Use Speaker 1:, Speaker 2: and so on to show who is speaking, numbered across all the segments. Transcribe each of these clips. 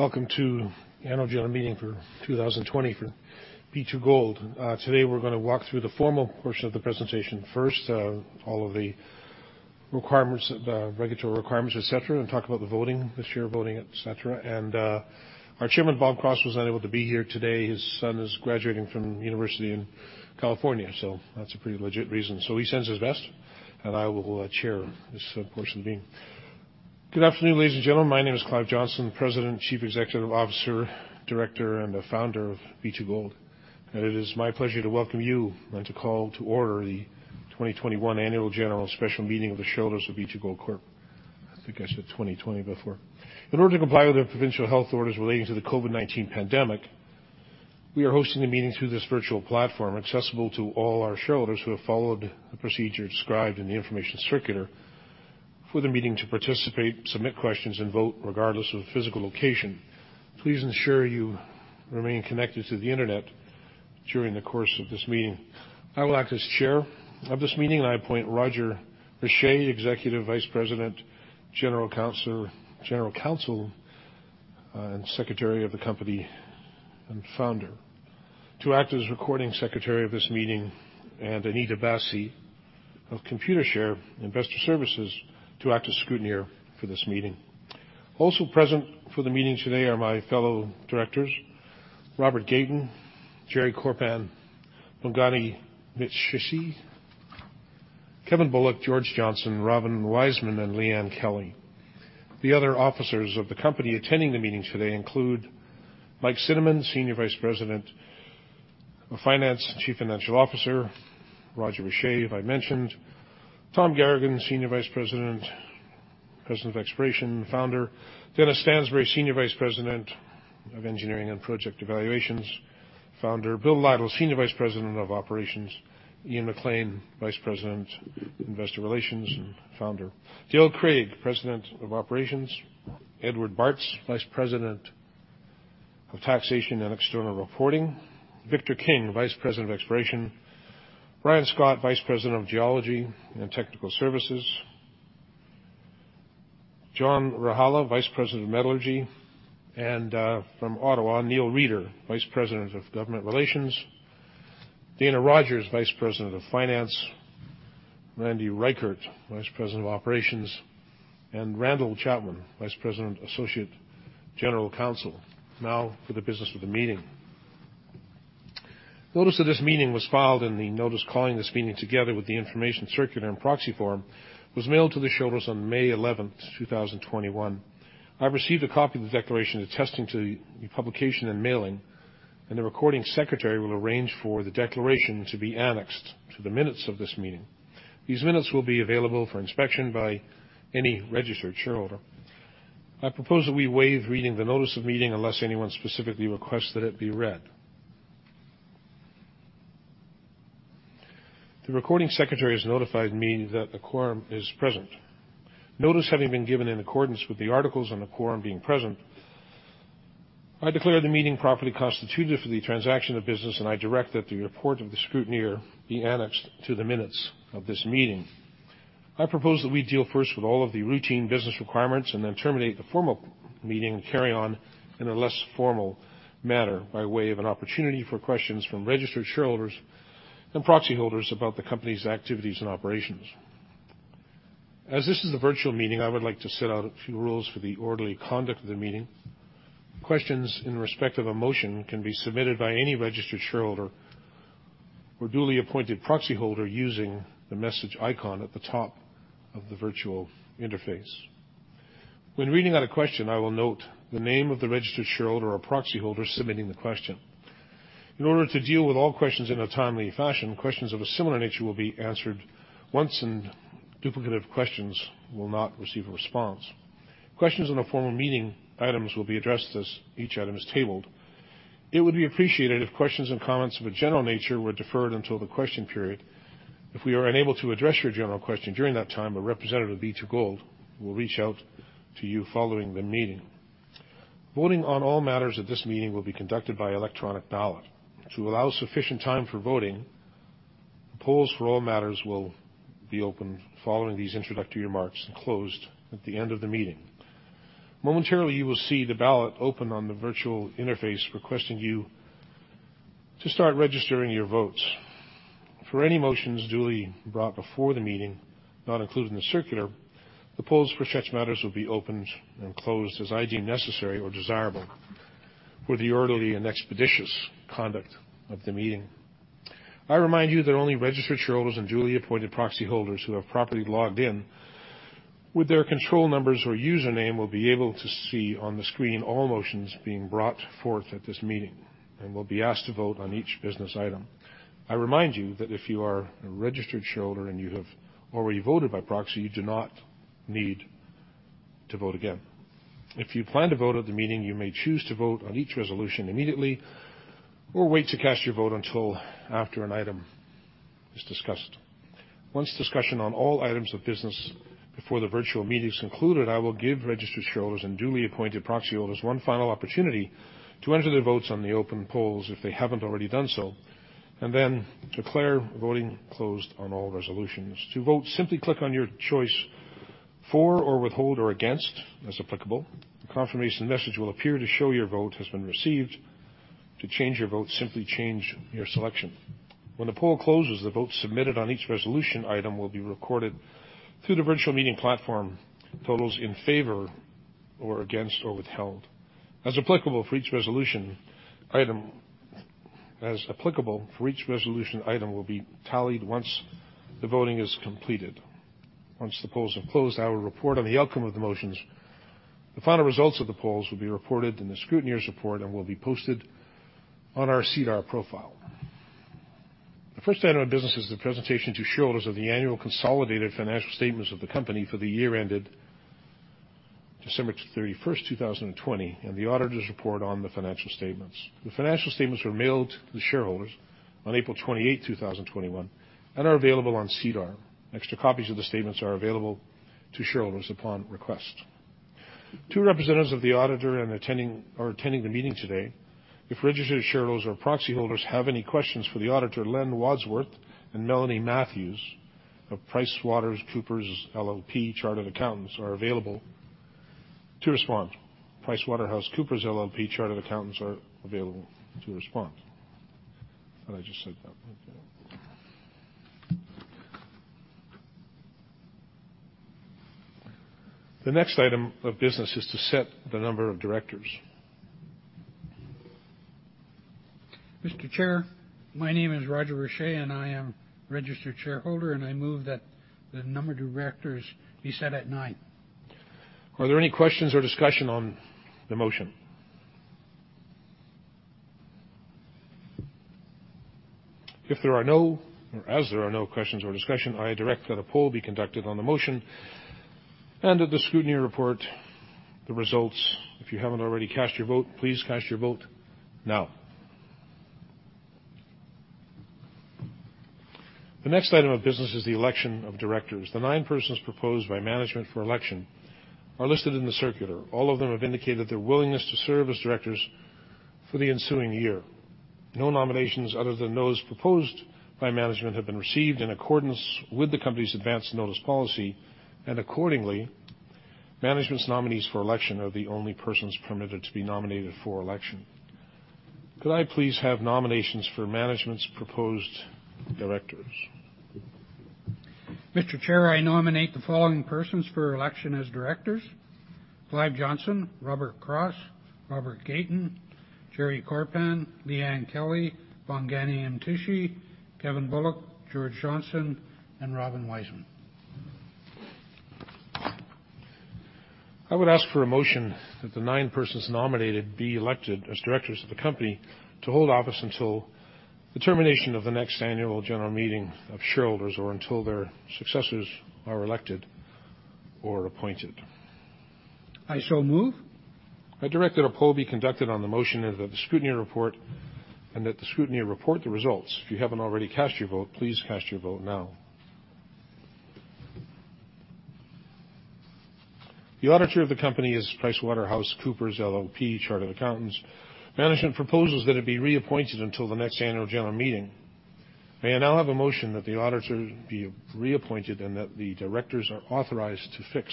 Speaker 1: Welcome to Annual General Meeting for 2020 for B2Gold. We're going to walk through the formal portion of the presentation first, all of the regulatory requirements, et cetera, and talk about the voting this year, et cetera. Our Chairman, Bob Cross, was unable to be here today. His son is graduating from university in California, that's a pretty legit reason. He sends his best. I will chair this portion of the meeting. Good afternoon, ladies and gentlemen. My name is Clive Johnson, President, Chief Executive Officer, Director, and founder of B2Gold. It is my pleasure to welcome you and to call to order the 2021 Annual General and Special Meeting of the shareholders of B2Gold Corp. I think I said 2020 before. In order to comply with the provincial health orders relating to the COVID-19 pandemic, we are hosting the meeting through this virtual platform, accessible to all our shareholders who have followed the procedure described in the information circular for the meeting to participate, submit questions, and vote regardless of physical location. Please ensure you remain connected to the internet during the course of this meeting. I will act as chair of this meeting, and I appoint Roger Richer, Executive Vice President, General Counsel, and Secretary of the company, and founder to act as recording secretary of this meeting, and Anita Basi of Computershare Investor Services to act as scrutineer for this meeting. Also present for the meeting today are my fellow directors, Robert Gayton, Jerry Korpan, Bongani Mtshisi, Kevin Bullock, George Johnson, Robin Weisman, and Liane Kelly. The other officers of the company attending the meeting today include Mike Cinnamond, Senior Vice President of Finance, Chief Financial Officer, Roger Richer, who I mentioned, Tom Garagan, Senior Vice President of Exploration, founder, Dennis Stansbury, Senior Vice President of Engineering and Project Evaluations, founder, Bill Lytle, Senior Vice President of Operations, Ian MacLean, Vice President, Investor Relations, and founder, Dale Craig, President of Operations, Eduard Bartz, Vice President of Taxation and External Reporting, Victor King, Vice President of Exploration, Brian Scott, Vice President of Geology and Technical Services, John Rajala, Vice President of Metallurgy, and from Ottawa, Neil Reeder, Vice President of Government Relations, Dana Rogers, Vice President of Finance, Randy Reichert, Vice President of Operations, and Randall Chatwin, Vice President, Associate General Counsel. Now, for the business of the meeting. Notice of this meeting was filed, and the notice calling this meeting together with the information circular and proxy form was mailed to the shareholders on May 11th, 2021. I received a copy of the declaration attesting to the publication and mailing, and the recording secretary will arrange for the declaration to be annexed to the minutes of this meeting. These minutes will be available for inspection by any registered shareholder. I propose that we waive reading the notice of meeting unless anyone specifically requests that it be read. The recording secretary has notified me that a quorum is present. Notice having been given in accordance with the articles and a quorum being present, I declare the meeting properly constituted for the transaction of business, and I direct that the report of the scrutineer be annexed to the minutes of this meeting. I propose that we deal first with all of the routine business requirements and then terminate the formal meeting and carry on in a less formal manner by way of an opportunity for questions from registered shareholders and proxy holders about the company's activities and operations. As this is a virtual meeting, I would like to set out a few rules for the orderly conduct of the meeting. Questions in respect of a motion can be submitted by any registered shareholder or duly appointed proxy holder using the message icon at the top of the virtual interface. When reading out a question, I will note the name of the registered shareholder or proxy holder submitting the question. In order to deal with all questions in a timely fashion, questions of a similar nature will be answered once, and duplicative questions will not receive a response. Questions on the formal meeting items will be addressed as each item is tabled. It would be appreciated if questions and comments of a general nature were deferred until the question period. If we are unable to address your general question during that time, a representative of B2Gold will reach out to you following the meeting. Voting on all matters at this meeting will be conducted by electronic ballot. To allow sufficient time for voting, the polls for all matters will be open following these introductory remarks and closed at the end of the meeting. Momentarily, you will see the ballot open on the virtual interface requesting you to start registering your votes. For any motions duly brought before the meeting, not included in the circular, the polls for such matters will be opened and closed as I deem necessary or desirable for the orderly and expeditious conduct of the meeting. I remind you that only registered shareholders and duly appointed proxy holders who have properly logged in with their control numbers or username will be able to see on the screen all motions being brought forth at this meeting and will be asked to vote on each business item. I remind you that if you are a registered shareholder and you have already voted by proxy, you do not need to vote again. If you plan to vote at the meeting, you may choose to vote on each resolution immediately or wait to cast your vote until after an item is discussed. Once discussion on all items of business before the virtual meeting is concluded, I will give registered shareholders and duly appointed proxy holders one final opportunity to enter their votes on the open polls if they haven't already done so, and then declare voting closed on all resolutions. To vote, simply click on your choice for or withhold or against as applicable. A confirmation message will appear to show your vote has been received. To change your vote, simply change your selection. When the poll closes, the votes submitted on each resolution item will be recorded through the virtual meeting platform. The totals in favor, or against, or withheld, as applicable for each resolution item, will be tallied once the voting is completed. Once the polls have closed, I will report on the outcome of the motions. The final results of the polls will be reported in the scrutineer's report and will be posted on our SEDAR profile. The first item of business is the presentation to shareholders of the annual consolidated financial statements of the company for the year ended December 31st, 2020, and the auditor's report on the financial statements. The financial statements were mailed to the shareholders on April 28, 2021, and are available on SEDAR. Extra copies of the statements are available to shareholders upon request. Two representatives of the auditor are attending the meeting today. If registered shareholders or proxy holders have any questions for the auditor, Len Wadsworth and Melanie Matthews of PricewaterhouseCoopers LLP chartered accountants are available to respond. I just said that right there. The next item of business is to set the number of directors.
Speaker 2: Mr. Chair, my name is Roger Richer, and I am a registered shareholder, and I move that the number of directors be set at nine.
Speaker 1: Are there any questions or discussion on the motion? As there are no questions or discussion, I direct that a poll be conducted on the motion and that the scrutineer report the results. If you haven't already cast your vote, please cast your vote now. The next item of business is the election of directors. The nine persons proposed by management for election are listed in the circular. All of them have indicated their willingness to serve as directors for the ensuing year. No nominations other than those proposed by management have been received in accordance with the company's advance notice policy, and accordingly, management's nominees for election are the only persons permitted to be nominated for election. Could I please have nominations for management's proposed directors?
Speaker 2: Mr. Chair, I nominate the following persons for election as directors: Clive Johnson, Robert Cross, Robert Gayton, Jerry Korpan, Liane Kelly, Bongani Mtshisi, Kevin Bullock, George Johnson, and Robin Weisman.
Speaker 1: I would ask for a motion that the 9 nine persons nominated be elected as directors of the company to hold office until the termination of the next annual general meeting of shareholders or until their successors are elected or appointed.
Speaker 2: I so move.
Speaker 1: I direct that a poll be conducted on the motion and that the scrutineer report the results. If you haven't already cast your vote, please cast your vote now. The auditor of the company is PricewaterhouseCoopers LLP, Chartered Accountants. Management proposes that it be reappointed until the next annual general meeting. May I now have a motion that the auditor be reappointed and that the directors are authorized to fix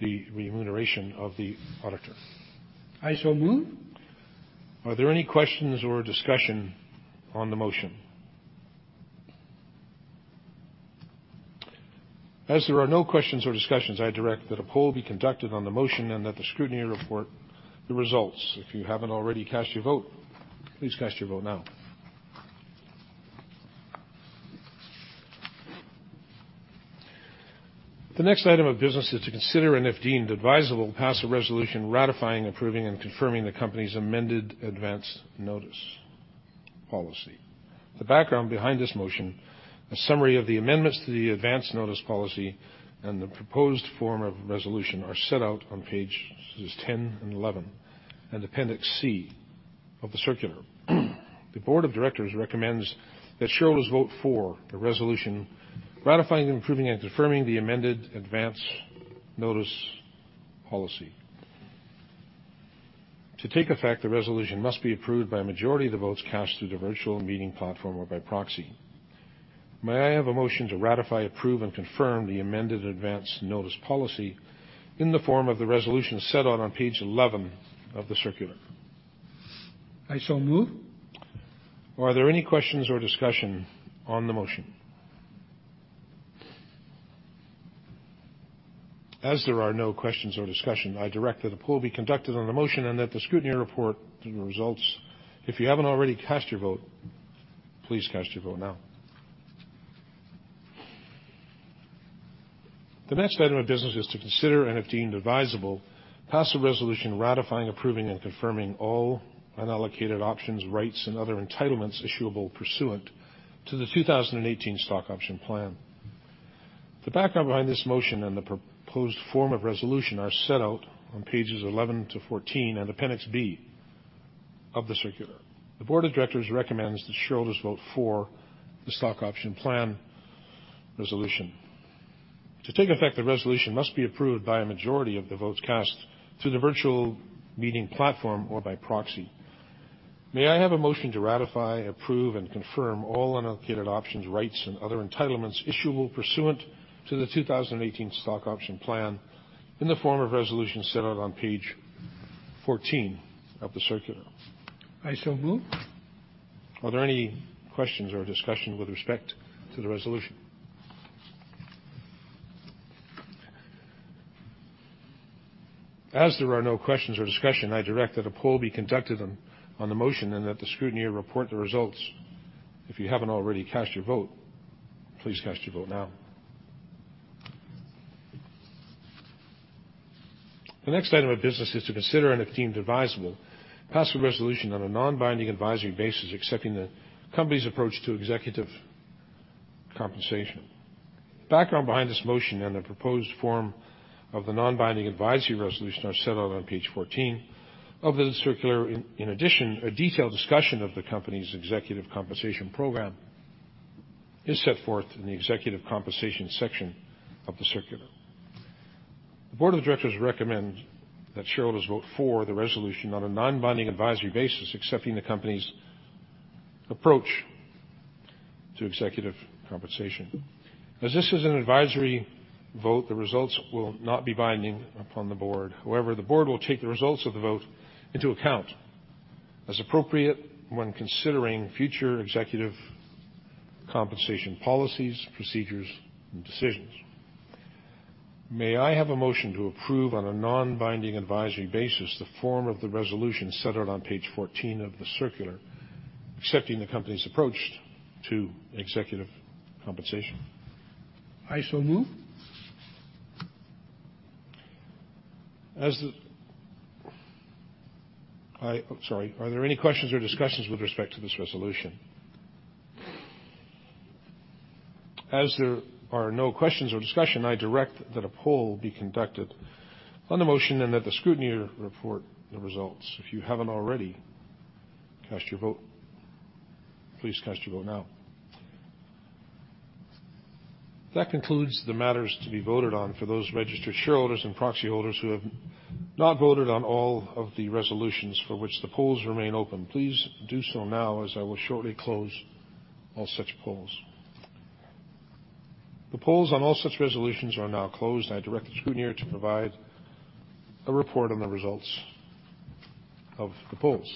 Speaker 1: the remuneration of the auditor?
Speaker 2: I so move.
Speaker 1: Are there any questions or discussion on the motion? As there are no questions or discussions, I direct that a poll be conducted on the motion and that the scrutineer report the results. If you haven't already cast your vote, please cast your vote now. The next item of business is to consider, and if deemed advisable, pass a resolution ratifying, approving, and confirming the company's amended advance notice policy. The background behind this motion, a summary of the amendments to the advance notice policy, and the proposed form of resolution are set out on pages 10 and 11 and Appendix C of the circular. The board of directors recommends that shareholders vote for the resolution ratifying, approving, and confirming the amended advance notice policy. To take effect, the resolution must be approved by a majority of the votes cast through the virtual meeting platform or by proxy. May I have a motion to ratify, approve, and confirm the amended advance notice policy in the form of the resolution set out on page 11 of the circular?
Speaker 2: I so move.
Speaker 1: Are there any questions or discussion on the motion? As there are no questions or discussion, I direct that a poll be conducted on the motion and that the scrutineer report the results. If you haven't already cast your vote, please cast your vote now. The next item of business is to consider, and if deemed advisable, pass a resolution ratifying, approving, and confirming all unallocated options, rights, and other entitlements issuable pursuant to the 2018 stock option plan. The background behind this motion and the proposed form of resolution are set out on pages 11 to 14 and Appendix B of the circular. The board of directors recommends that shareholders vote for the stock option plan resolution. To take effect, the resolution must be approved by a majority of the votes cast through the virtual meeting platform or by proxy. May I have a motion to ratify, approve, and confirm all unallocated options, rights, and other entitlements issuable pursuant to the 2018 stock option plan in the form of resolution set out on page 14 of the circular?
Speaker 2: I so move.
Speaker 1: Are there any questions or discussion with respect to the resolution? As there are no questions or discussion, I direct that a poll be conducted on the motion and that the scrutineer report the results. If you haven't already cast your vote, please cast your vote now. The next item of business is to consider, and if deemed advisable, pass a resolution on a non-binding advisory basis accepting the company's approach to executive compensation. The background behind this motion and the proposed form of the non-binding advisory resolution are set out on page 14 of the circular. In addition, a detailed discussion of the company's executive compensation program is set forth in the executive compensation section of the circular. The board of directors recommend that shareholders vote for the resolution on a non-binding advisory basis, accepting the company's approach to executive compensation. As this is an advisory vote, the results will not be binding upon the board. The board will take the results of the vote into account as appropriate when considering future executive compensation policies, procedures, and decisions. May I have a motion to approve, on a non-binding advisory basis, the form of the resolution set out on page 14 of the circular, accepting the company's approach to executive compensation?
Speaker 2: I so move.
Speaker 1: Are there any questions or discussions with respect to this resolution? As there are no questions or discussion, I direct that a poll be conducted on the motion and that the scrutineer report the results. If you haven't already cast your vote, please cast your vote now. That concludes the matters to be voted on for those registered shareholders and proxy holders who have not voted on all of the resolutions for which the polls remain open. Please do so now, as I will shortly close all such polls. The polls on all such resolutions are now closed. I direct the scrutineer to provide a report on the results of the polls.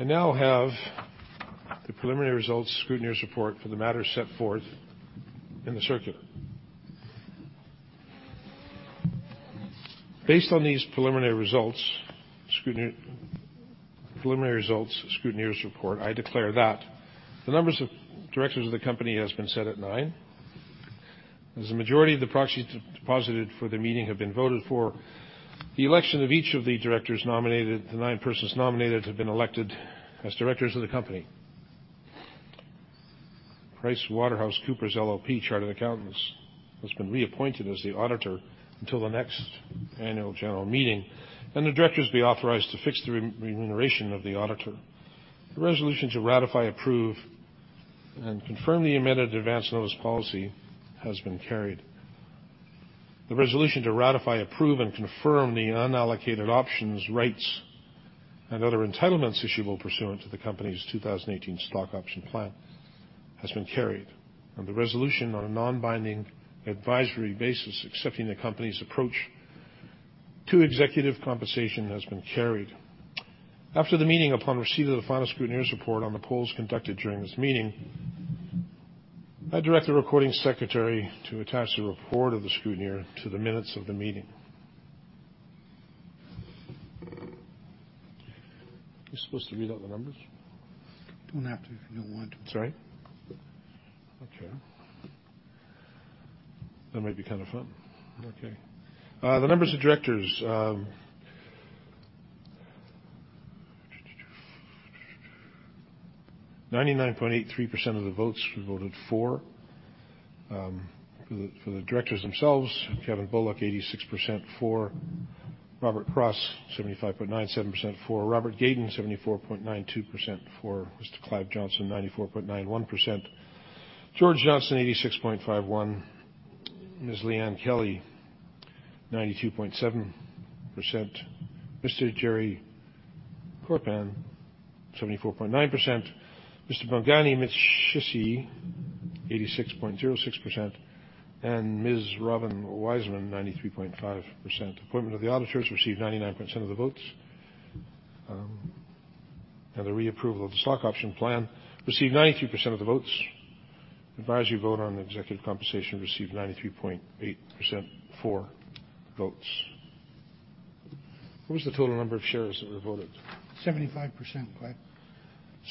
Speaker 1: I now have the preliminary results scrutineer's report for the matter set forth in the circular. Based on these preliminary results scrutineer's report, I declare that the number of directors of the company has been set at nine. As a majority of the proxies deposited for the meeting have been voted for, the election of each of the directors nominated, the nine persons nominated have been elected as directors of the company. PricewaterhouseCoopers LLP, Chartered Accountants, has been reappointed as the auditor until the next annual general meeting, and the directors be authorized to fix the remuneration of the auditor. The resolution to ratify, approve, and confirm the amended advance notice policy has been carried. The resolution to ratify, approve, and confirm the unallocated options, rights, and other entitlements issuable pursuant to the company's 2018 stock option plan has been carried. The resolution on a non-binding advisory basis accepting the company's approach to executive compensation has been carried. After the meeting, upon receipt of the final scrutineer's report on the polls conducted during this meeting, I direct the recording secretary to attach the report of the scrutineer to the minutes of the meeting. You supposed to read out the numbers?
Speaker 2: Don't have to if you don't want to.
Speaker 1: Sorry. Okay. That might be kind of fun. Okay. The numbers of directors, 99.83% of the votes were voted for. For the directors themselves, Kevin Bullock, 86%. For, Robert Cross, 75.97%. For, Robert Gayton, 74.92%. For, Mr. Clive Johnson, 94.91%. George Johnson, 86.51%. Ms. Liane Kelly, 92.7%. Mr. Jerry Korpan, 74.9%. Mr. Bongani Mtshisi, 86.06%. Ms. Robin Weisman, 93.5%. Appointment of the auditors received 99% of the votes, and the reapproval of the stock option plan received 93% of the votes. Advisory vote on the executive compensation received 93.8% for votes. What was the total number of shares that were voted?
Speaker 2: 75%,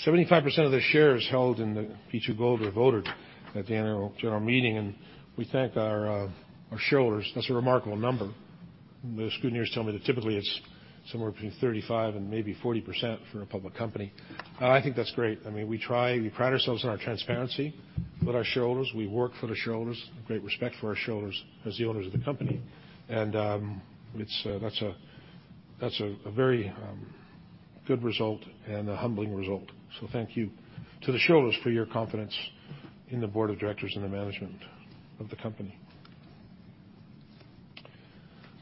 Speaker 2: Clive.
Speaker 1: 75% of the shares held in the B2Gold were voted at the annual general meeting, and we thank our shareholders. That's a remarkable number. The scrutineers tell me that typically it's somewhere between 35% and maybe 40% for a public company. I think that's great. We pride ourselves on our transparency with our shareholders. We work for the shareholders. We have great respect for our shareholders as the owners of the company. That's a very good result and a humbling result. Thank you to the shareholders for your confidence in the board of directors and the management of the company.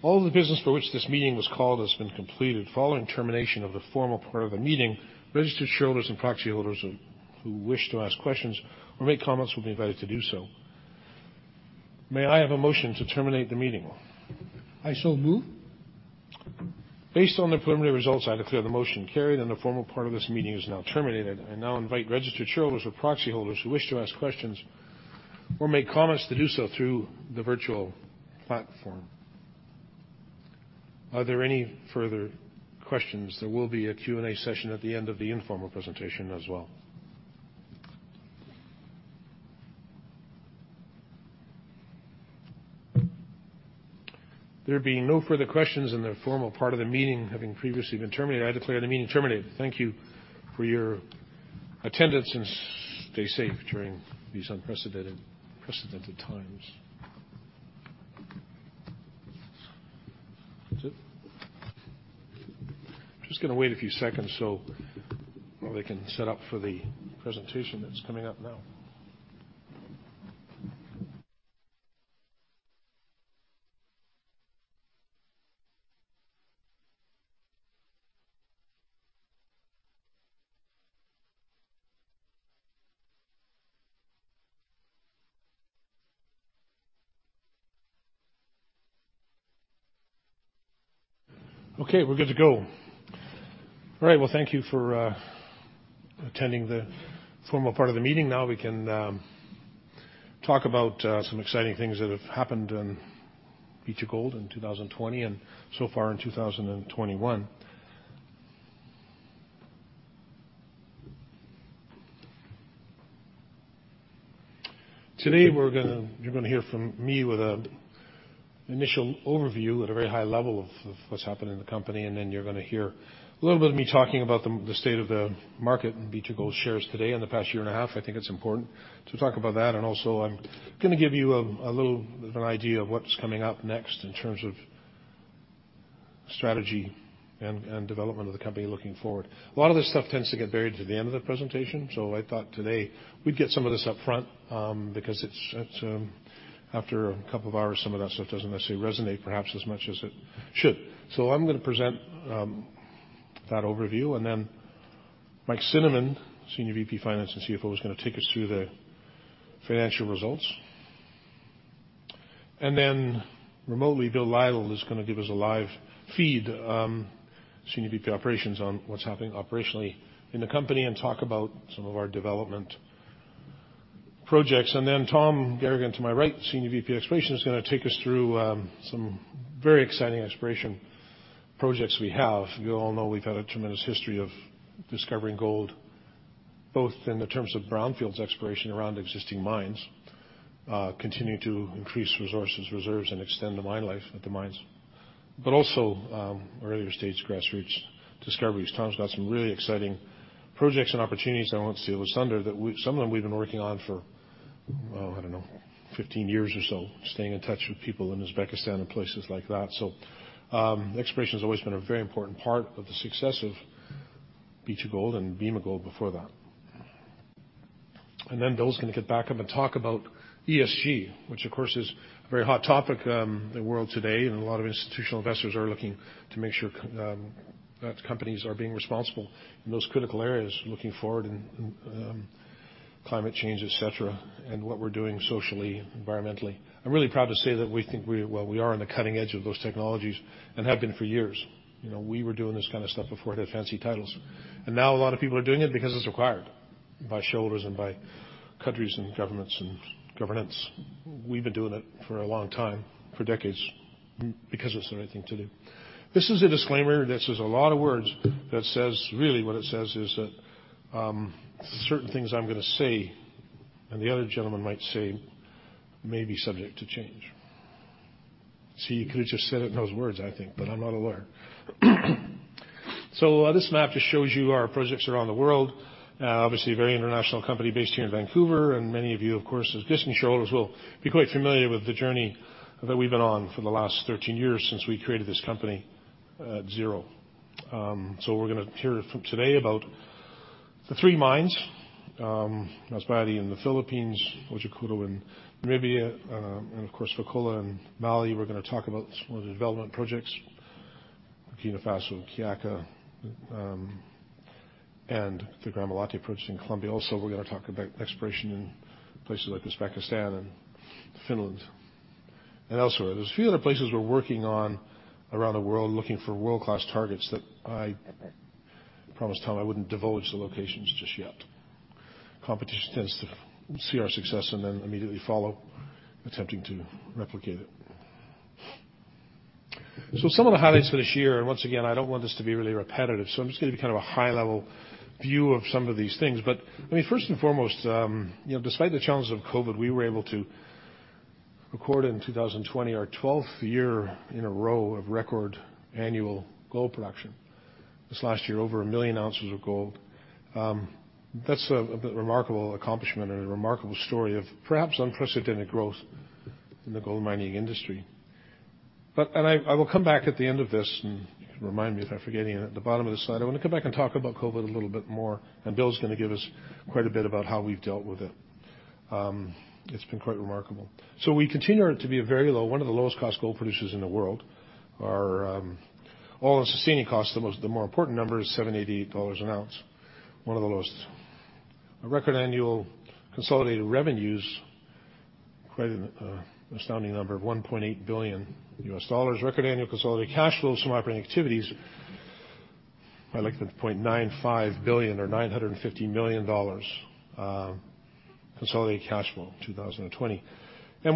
Speaker 1: All the business for which this meeting was called has been completed following termination of the formal part of the meeting, registered shareholders and proxy holders who wish to ask questions or make comments will be invited to do so. May I have a motion to terminate the meeting?
Speaker 2: I so move.
Speaker 1: Based on the preliminary results, I declare the motion carried and the formal part of this meeting is now terminated. I now invite registered shareholders or proxy holders who wish to ask questions or make comments to do so through the virtual platform. Are there any further questions? There will be a Q&A session at the end of the informal presentation as well. There being no further questions and the formal part of the meeting having previously been terminated, I declare the meeting terminated. Thank you for your attendance and stay safe during these unprecedented times. That's it. Just going to wait a few seconds so they can set up for the presentation that's coming up now. Okay, we're good to go. All right. Well, thank you for attending the formal part of the meeting. Now we can talk about some exciting things that have happened in B2Gold in 2020 and so far in 2021. Today, you're going to hear from me with an initial overview at a very high level of what's happened in the company, and then you're going to hear a little bit of me talking about the state of the market in B2Gold shares today and the past year and a half. I think it's important to talk about that. Also, I'm going to give you a little of an idea of what's coming up next in terms of strategy and development of the company looking forward. A lot of this stuff tends to get buried to the end of the presentation, so I thought today we'd get some of this up front because after a couple of hours, some of that stuff doesn't necessarily resonate perhaps as much as it should. I'm going to present that overview. Mike Cinnamond, Senior VP, Finance and Chief Financial Officer, is going to take us through the financial results. Remotely, Bill Lytle is going to give us a live feed, Senior VP of Operations, on what's happening operationally in the company and talk about some of our development projects. Tom Garagan to my right, Senior VP, Exploration, is going to take us through some very exciting exploration projects we have. You all know we've had a tremendous history of discovering gold, both in terms of brownfields exploration around existing mines, continuing to increase resources, reserves, and extend the mine life at the mines, but also earlier stage grassroots discoveries. Tom's got some really exciting projects and opportunities now at Los Andes that some of them we've been working on for, I don't know, 15 years or so, staying in touch with people in Uzbekistan and places like that. Exploration has always been a very important part of the success of B2Gold and Bema Gold before that. Bill's going to get back up and talk about ESG, which of course is a very hot topic in the world today, and a lot of institutional investors are looking to make sure that companies are being responsible in those critical areas looking forward in climate change, et cetera, and what we're doing socially, environmentally. I'm really proud to say that we think we are on the cutting edge of those technologies and have been for years. We were doing this kind of stuff before it had fancy titles. Now a lot of people are doing it because it's required by shareholders and by countries and governments and governance. We've been doing it for a long time, for decades, because it's the right thing to do. This is a disclaimer that says a lot of words that says really what it says is that certain things I'm going to say and the other gentleman might say may be subject to change. See, you could have just said it in those words, I think, but I'm not a lawyer. This map just shows you our projects around the world. Obviously, a very international company based here in Vancouver, and many of you, of course, as existing shareholders will be quite familiar with the journey that we've been on for the last 13 years since we created this company at zero. We're going to hear today about the three mines, Masbate in the Philippines, Otjikoto in Namibia, and of course, Fekola in Mali. We're going to talk about some of the development projects, Burkina Faso, Kiaka, and the Gramalote project in Colombia. We're going to talk about exploration in places like Uzbekistan and Finland and elsewhere. There's a few other places we're working on around the world looking for world-class targets that I promised Tom I wouldn't divulge the locations just yet. Competition tends to see our success and then immediately follow, attempting to replicate it. Some of the highlights for this year, and once again, I don't want this to be really repetitive, so I'm just giving a high-level view of some of these things. First and foremost, despite the challenges of COVID, we were able to record in 2020 our 12th year in a row of record annual gold production. This last year, over 1 million ounces of gold. That's a remarkable accomplishment and a remarkable story of perhaps unprecedented growth in the gold mining industry. I will come back at the end of this, and you can remind me if I forget anything at the bottom of the slide. I want to come back and talk about COVID a little bit more, and Bill's going to give us quite a bit about how we've dealt with it. It's been quite remarkable. We continue to be one of the lowest cost gold producers in the world. Our all-in sustaining costs, the more important number is $788 an ounce, one of the lowest. Our record annual consolidated revenues, quite an astounding number of $1.8 billion. Record annual consolidated cash flows from operating activities, I like the $0.95 billion or $950 million consolidated cash flow in 2020.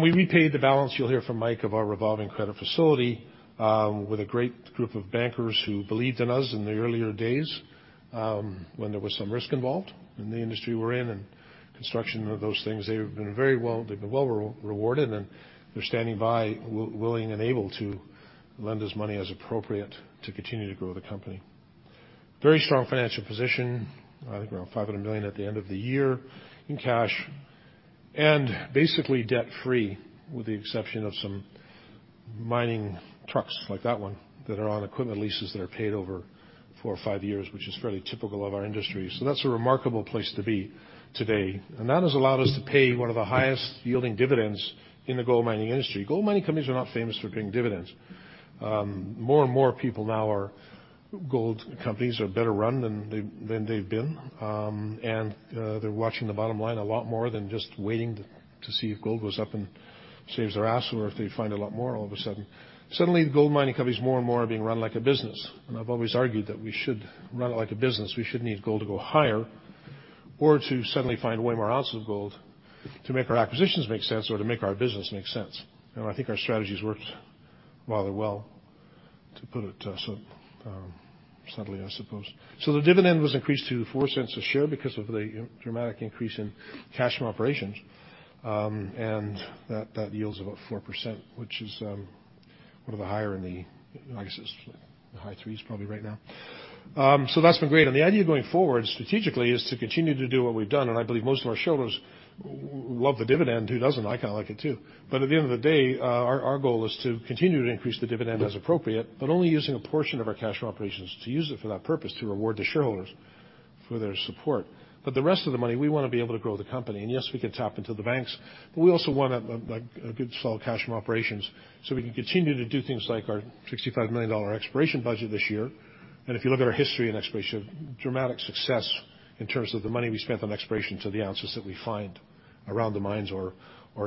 Speaker 1: We repaid the balance, you'll hear from Mike, of our revolving credit facility, with a great group of bankers who believed in us in the earlier days, when there was some risk involved in the industry we're in and construction of those things. They've been well rewarded, and they're standing by, willing and able to lend us money as appropriate to continue to grow the company. Very strong financial position. I think around $500 million at the end of the year in cash, and basically debt-free, with the exception of some mining trucks like that one that are on equipment leases that are paid over four or five years, which is fairly typical of our industry. That's a remarkable place to be today, and that has allowed us to pay one of the highest yielding dividends in the gold mining industry. Gold mining companies are not famous for paying dividends. Gold companies are better run than they've been. And they're watching the bottom line a lot more than just waiting to see if gold goes up and saves their ass, or if they find a lot more all of a sudden. Suddenly, gold mining companies more and more are being run like a business, and I've always argued that we should run it like a business. We shouldn't need gold to go higher or to suddenly find way more ounces of gold to make our acquisitions make sense or to make our business make sense. I think our strategy's worked rather well, to put it subtly, I suppose. The dividend was increased to $0.04 a share because of the dramatic increase in cash from operations, and that yields about 4%, which is one of the higher in the I guess it's high 3% probably right now. That's been great. The idea going forward strategically is to continue to do what we've done, and I believe most of our shareholders love the dividend. Who doesn't? I kind of like it, too. At the end of the day, our goal is to continue to increase the dividend as appropriate, but only using a portion of our cash from operations to use it for that purpose, to reward the shareholders for their support. The rest of the money, we want to be able to grow the company. Yes, we can tap into the banks, but we also want a good, solid cash from operations so we can continue to do things like our $65 million exploration budget this year. If you look at our history in exploration, dramatic success in terms of the money we spent on exploration to the ounces that we find around the mines or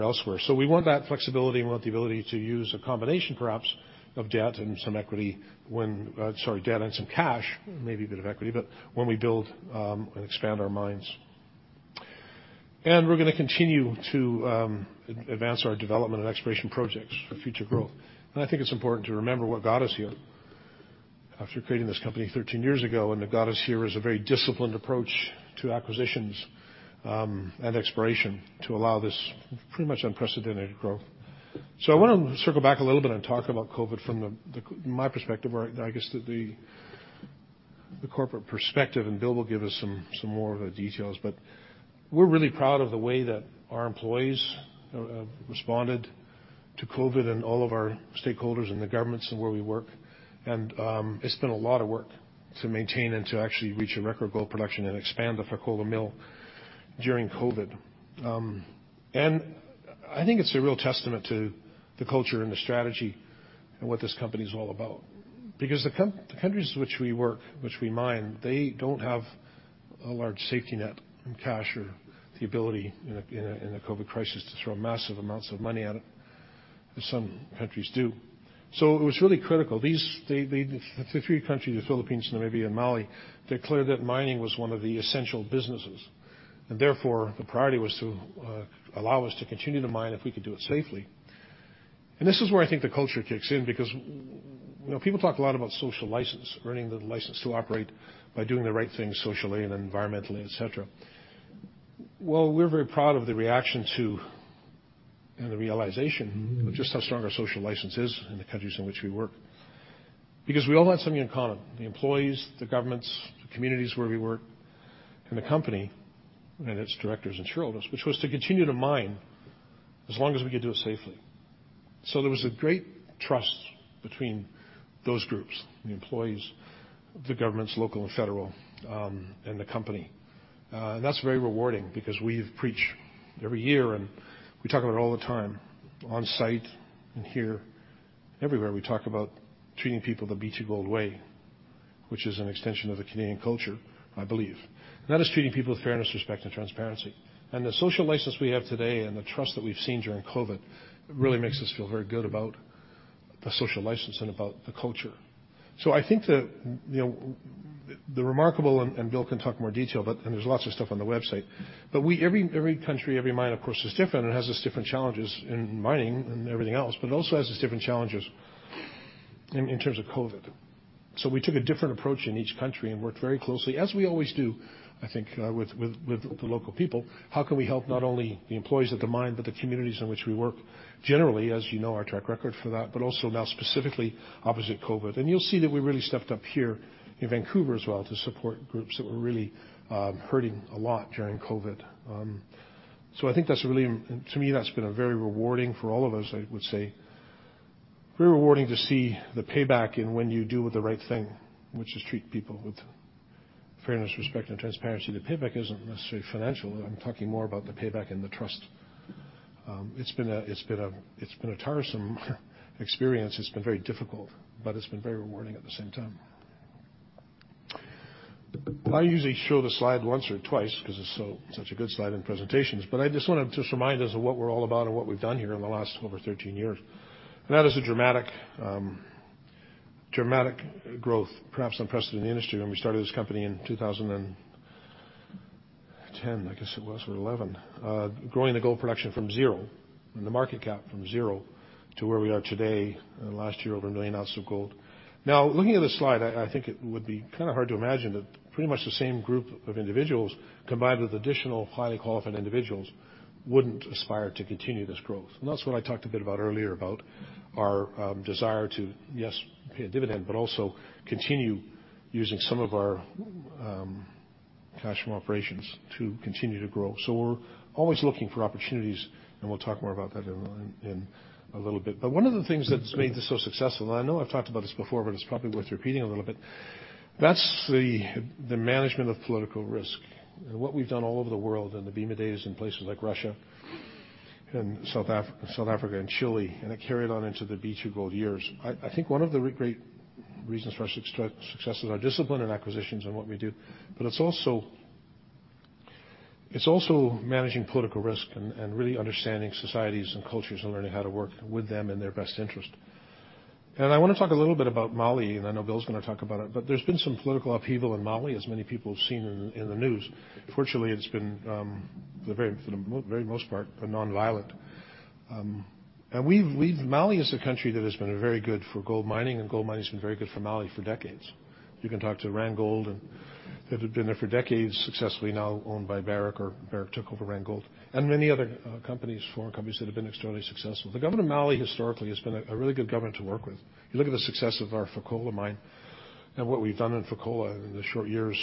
Speaker 1: elsewhere. We want that flexibility and want the ability to use a combination, perhaps, of debt and some equity, sorry, debt and some cash, maybe a bit of equity, but when we build and expand our mines. We are going to continue to advance our development and exploration projects for future growth. I think it's important to remember what got us here after creating this company 13 years ago, and what got us here is a very disciplined approach to acquisitions, and exploration to allow this pretty much unprecedented growth. I want to circle back a little bit and talk about COVID from my perspective, or I guess the corporate perspective, and Bill will give us some more of the details. We're really proud of the way that our employees responded to COVID and all of our stakeholders and the governments in where we work. It's been a lot of work to maintain and to actually reach a record gold production and expand the Fekola mill during COVID. I think it's a real testament to the culture and the strategy and what this company is all about. Because the countries which we work, which we mine, they don't have a large safety net in cash or the ability in the COVID crisis to throw massive amounts of money at it, as some countries do. It was really critical. The three countries, the Philippines, Namibia, and Mali, declared that mining was one of the essential businesses, and therefore the priority was to allow us to continue to mine if we could do it safely. This is where I think the culture kicks in because people talk a lot about social license, earning the license to operate by doing the right thing socially and environmentally, et cetera. We're very proud of the reaction to, and the realization of just how strong our social license is in the countries in which we work. Because we all had something in common, the employees, the governments, the communities where we work, and the company, and its directors and shareholders, which was to continue to mine as long as we could do it safely. There was a great trust between those groups, the employees, the governments, local and federal, and the company. That's very rewarding because we preach every year, and we talk about it all the time on site and here. Everywhere, we talk about treating people the B2Gold Way, which is an extension of the Canadian culture, I believe. That is treating people with fairness, respect, and transparency. The social license we have today and the trust that we've seen during COVID really makes us feel very good about the social license and about the culture. I think that the remarkable, and Bill can talk in more detail, and there's lots of stuff on the website, but every country, every mine, of course, is different and has its different challenges in mining and everything else, but it also has its different challenges in terms of COVID. We took a different approach in each country and worked very closely, as we always do, I think, with the local people. How can we help not only the employees at the mine, but the communities in which we work? Generally, as you know our track record for that, but also now specifically opposite COVID. You'll see that we really stepped up here in Vancouver as well to support groups that were really hurting a lot during COVID. I think to me, that's been very rewarding for all of us, I would say. Very rewarding to see the payback in when you do the right thing, which is treat people with fairness, respect, and transparency. The payback isn't necessarily financial. I'm talking more about the payback and the trust. It's been a tiresome experience. It's been very difficult, but it's been very rewarding at the same time. I usually show the slide once or twice because it's such a good slide in presentations, but I just want to remind us of what we're all about and what we've done here in the last over 13 years. That is a dramatic growth, perhaps unprecedented in the industry when we started this company in 2010, I guess it was, or 2011. Growing the gold production from zero and the market cap from zero to where we are today, last year, over 1 million ounces of gold. Looking at this slide, I think it would be hard to imagine that pretty much the same group of individuals, combined with additional highly qualified individuals, wouldn't aspire to continue this growth. That's what I talked a bit about earlier, about our desire to, yes, pay a dividend, but also continue using some of our cash from operations to continue to grow. We're always looking for opportunities, and we'll talk more about that in a little bit. One of the things that's made this so successful, and I know I've talked about this before, but it's probably worth repeating a little bit. That's the management of political risk and what we've done all over the world in the Bema days, in places like Russia, South Africa, and Chile, and it carried on into the B2Gold years. I think one of the great reasons for our success is our discipline and acquisitions and what we do, it's also managing political risk and really understanding societies and cultures and learning how to work with them in their best interest. I want to talk a little bit about Mali, I know Bill's going to talk about it, there's been some political upheaval in Mali, as many people have seen in the news. Fortunately, it's been, for the very most part, been nonviolent. Mali is a country that has been very good for gold mining, gold mining has been very good for Mali for decades. You can talk to Randgold, they have been there for decades, successfully, now owned by Barrick, or Barrick took over Randgold, and many other companies, foreign companies, that have been extremely successful. The government of Mali historically has been a really good government to work with. You look at the success of our Fekola mine and what we've done in Fekola in the short years,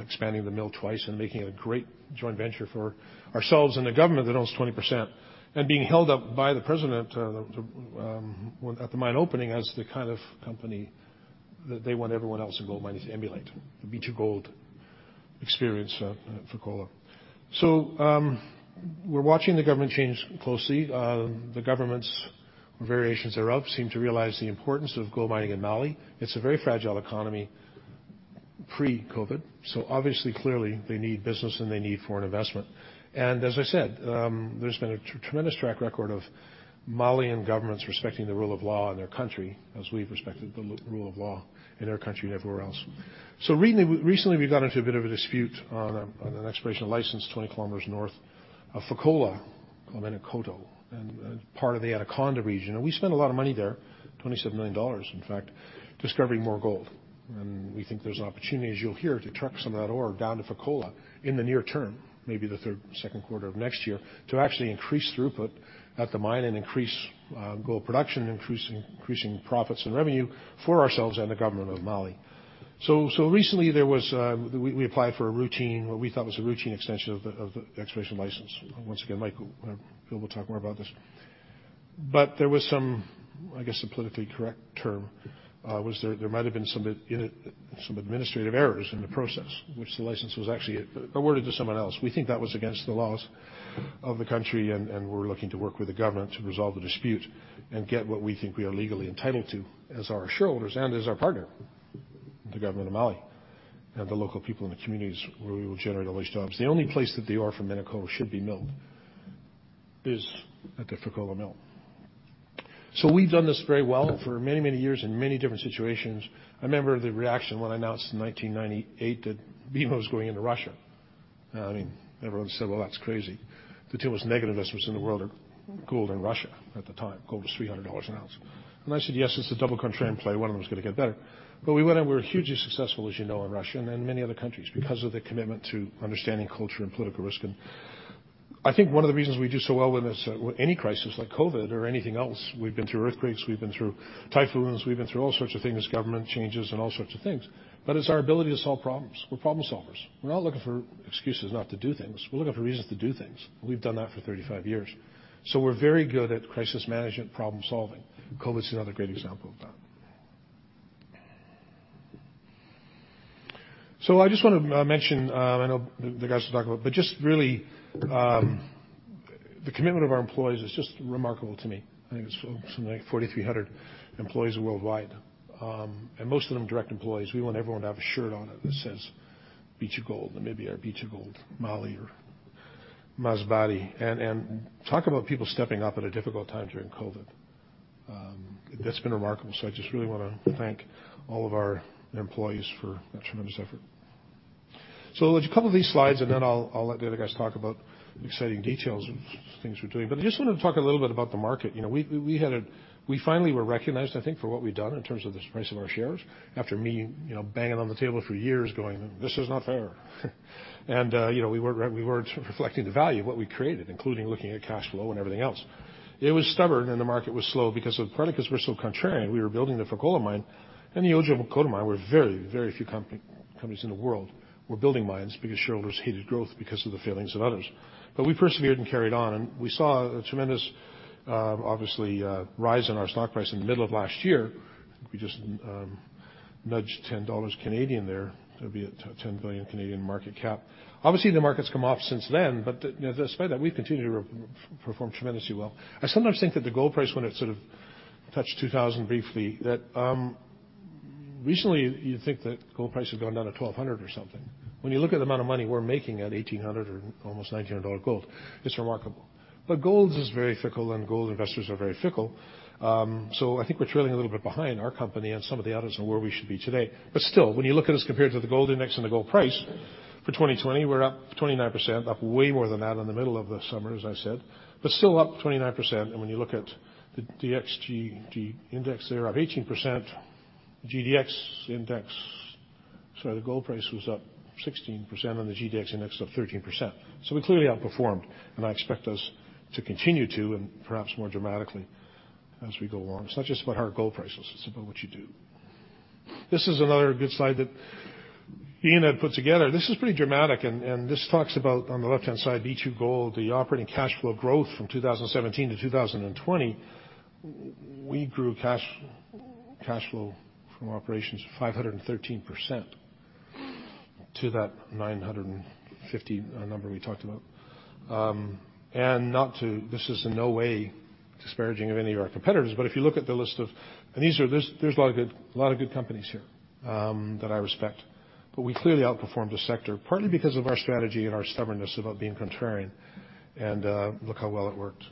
Speaker 1: expanding the mill twice and making it a great joint venture for ourselves and the government that owns 20%, being held up by the president at the mine opening as the kind of company that they want everyone else in gold mining to emulate, the B2Gold experience at Fekola. We're watching the government change closely. The government's variations thereof seem to realize the importance of gold mining in Mali. It's a very fragile economy pre-COVID. Obviously, clearly, they need business and they need foreign investment. As I said, there's been a tremendous track record of Malian governments respecting the rule of law in their country as we've respected the rule of law in our country and everywhere else. Recently, we got into a bit of a dispute on an expiration of license 20 km north of Fekola, called Menankoto, and part of the Anaconda region. We spent a lot of money there, $27 million, in fact, discovering more gold. We think there's an opportunity, as you'll hear, to truck some of that ore down to Fekola in the near term, maybe the second quarter of next year, to actually increase throughput at the mine and increase gold production, increasing profits and revenue for ourselves and the government of Mali. Recently, we applied for a routine, what we thought was a routine extension of the expiration license. Once again, Mike, Bill will talk more about this. There was some, I guess the politically correct term was there might have been some administrative errors in the process, which the license was actually awarded to someone else. We think that was against the laws of the country, and we're looking to work with the government to resolve the dispute and get what we think we are legally entitled to as our shareholders and as our partner, the government of Mali and the local people in the communities where we will generate all these jobs. The only place that the ore from Menankoto should be milled is at the Fekola mill. We've done this very well for many, many years in many different situations. I remember the reaction when I announced in 1998 that Bema was going into Russia. Everyone said, "Well, that's crazy." The two most negativists in the world are gold and Russia at the time. Gold was $300 an ounce. I said, "Yes, it's a double contrarian play. One of them is going to get better." We went and we were hugely successful, as you know, in Russia and many other countries because of the commitment to understanding culture and political risk. I think one of the reasons we do so well with any crisis, like COVID or anything else, we've been through earthquakes, we've been through typhoons, we've been through all sorts of things, government changes and all sorts of things, but it's our ability to solve problems. We're problem solvers. We're not looking for excuses not to do things. We're looking for reasons to do things. We've done that for 35 years. We're very good at crisis management, problem-solving. COVID is another great example of that. I just want to mention, I know the guys will talk about it, but just really, the commitment of our employees is just remarkable to me. I think it's something like 4,300 employees worldwide, and most of them direct employees. We want everyone to have a shirt on that says B2Gold, Namibia or B2Gold, Mali or Masbate. Talk about people stepping up at a difficult time during COVID. That's been remarkable. I just really want to thank all of our employees for that tremendous effort. There's a couple of these slides, and then I'll let the other guys talk about the exciting details of things we're doing. I just wanted to talk a little bit about the market. We finally were recognized, I think, for what we'd done in terms of this price of our shares after me banging on the table for years going, "This is not fair." We weren't reflecting the value of what we created, including looking at cash flow and everything else. It was stubborn and the market was slow because partly because we're so contrarian, we were building the Fekola mine and the Otjikoto mine. There were very few companies in the world were building mines because shareholders hated growth because of the failings of others. We persevered and carried on, and we saw a tremendous, obviously, rise in our stock price in the middle of last year. We just nudged 10 Canadian dollars there. That'd be a 10 billion Canadian dollars Canadian market cap. Obviously, the market's come off since then, but despite that, we continue to perform tremendously well. I sometimes think that the gold price, when it sort of touched $2,000 briefly, that recently you'd think that gold price would go down to $1,200 or something. When you look at the amount of money we're making at $1,800 or almost $1,900 gold, it's remarkable. Gold is very fickle, and gold investors are very fickle. I think we're trailing a little bit behind our company and some of the others on where we should be today. Still, when you look at us compared to the gold index and the gold price for 2020, we're up 29%, up way more than that in the middle of the summer, as I said, but still up 29%. When you look at the XGD index there, up 18%, GDX index. The gold price was up 16% and the GDX index up 13%. We clearly outperformed, and I expect us to continue to, and perhaps more dramatically as we go on. It's not just about our gold prices, it's about what you do. This is another good slide that Ian had put together. This is pretty dramatic. This talks about, on the left-hand side, B2Gold, the operating cash flow growth from 2017 to 2020. We grew cash flow from operations 513% to that $950 number we talked about. This is in no way disparaging of any of our competitors. If you look at the list of, these are, there's a lot of good companies here that I respect. We clearly outperformed the sector, partly because of our strategy and our stubbornness about being contrarian. Look how well it worked.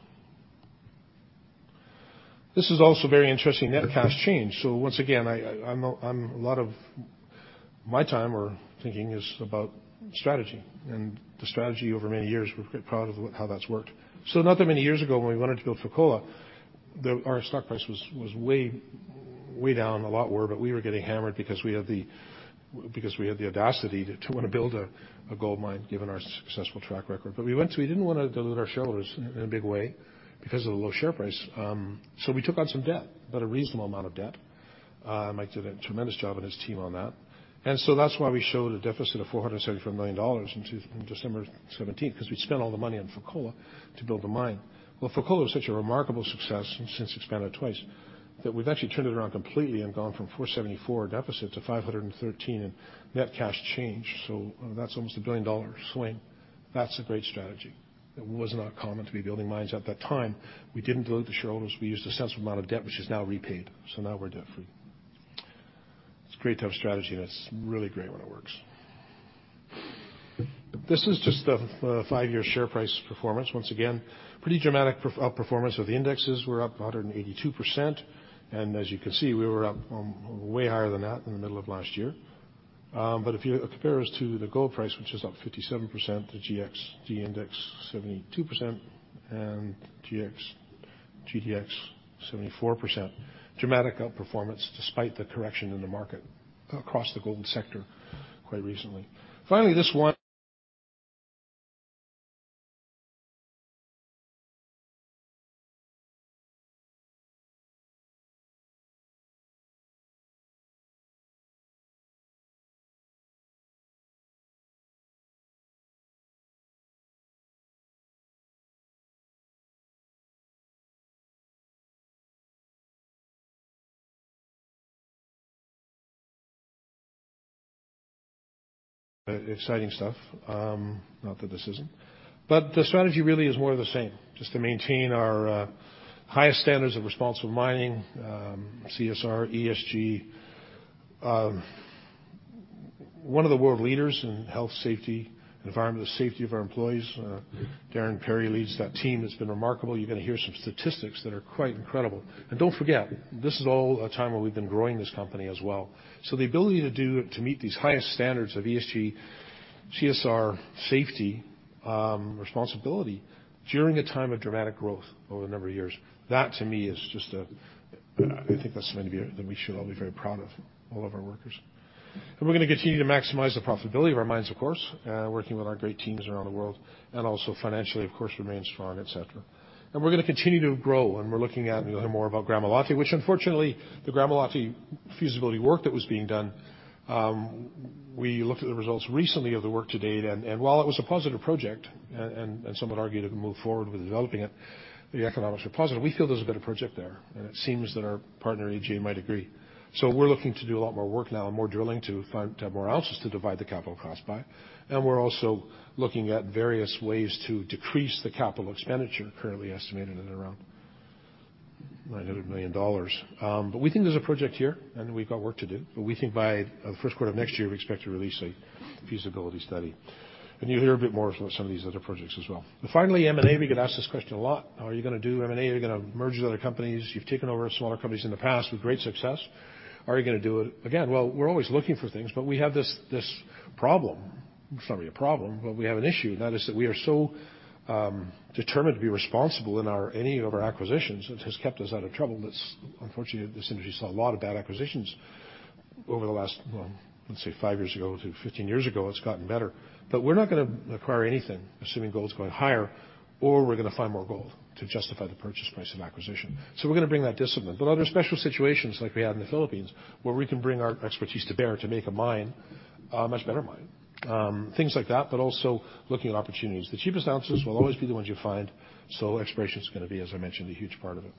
Speaker 1: This is also very interesting, net cash change. Once again, a lot of my time or thinking is about strategy, and the strategy over many years, we're quite proud of how that's worked. Not that many years ago, when we went into Fekola, our stock price was way down, a lot worse, but we were getting hammered because we had the audacity to want to build a gold mine given our successful track record. We didn't want to dilute our shareholders in a big way because of the low share price. We took on some debt, about a reasonable amount of debt. Mike did a tremendous job and his team on that. That's why we showed a deficit of $474 million in December 2017, because we'd spent all the money on Fekola to build the mine. Well, Fekola was such a remarkable success and since expanded twice that we've actually turned it around completely and gone from $474 million deficit to $513 million in net cash change. That's almost a $1 billion swing. That's a great strategy. It was not common to be building mines at that time. We didn't dilute the shareholders. We used a sensible amount of debt, which is now repaid. Now we're debt-free. It's a great type of strategy, and it's really great when it works. This is just the five-year share price performance. Once again, pretty dramatic outperformance of the indexes. We're up 182%, and as you can see, we were up way higher than that in the middle of last year. If you compare us to the gold price, which is up 57%, the XGD index 72%, and GDX 74%. Dramatic outperformance despite the correction in the market across the gold sector quite recently. Finally, this one exciting stuff, not that this isn't. The strategy really is more of the same, just to maintain our highest standards of responsible mining, CSR, ESG. One of the world leaders in health safety, environmental safety of our employees, Darren Parry leads that team. It's been remarkable. You're gonna hear some statistics that are quite incredible. Don't forget, this is all a time where we've been growing this company as well. The ability to meet these highest standards of ESG, CSR, safety, responsibility during a time of dramatic growth over a number of years, that to me, I think that's something that we should all be very proud of, all of our workers. We're going to continue to maximize the profitability of our mines, of course, working with our great teams around the world, and also financially, of course, remain strong, et cetera. We're going to continue to grow, and we're looking at a little more about Gramalote, which unfortunately, the Gramalote feasibility work that was being done, we looked at the results recently of the work to date. While it was a positive project and some had argued to move forward with developing it, the economics were positive. We feel there's a better project there, and it seems that our partner, AGA, might agree. We're looking to do a lot more work now, more drilling to find out more ounces to divide the capital cost by. We're also looking at various ways to decrease the capital expenditure currently estimated at around $900 million. We think there's a project here, and we've got work to do. We think by the first quarter of next year, we expect to release a feasibility study. You'll hear a bit more about some of these other projects as well. Finally, M&A, we get asked this question a lot. Are you gonna do M&A? Are you gonna merge with other companies? You've taken over smaller companies in the past with great success. Are you gonna do it again? We're always looking for things, but we have this problem. It's not really a problem, but we have an issue, and that is that we are so determined to be responsible in any of our acquisitions, which has kept us out of trouble. Unfortunately, this industry saw a lot of bad acquisitions over the last, let's say five years ago to 15 years ago. It's gotten better. We're not going to acquire anything assuming gold's going higher or we're going to find more gold to justify the purchase price and acquisition. We're going to bring that discipline. There are special situations like we had in the Philippines where we can bring our expertise to bear to make a mine a much better mine. Things like that, also looking at opportunities. The cheapest ounces will always be the ones you find, exploration is going to be, as I mentioned, a huge part of it.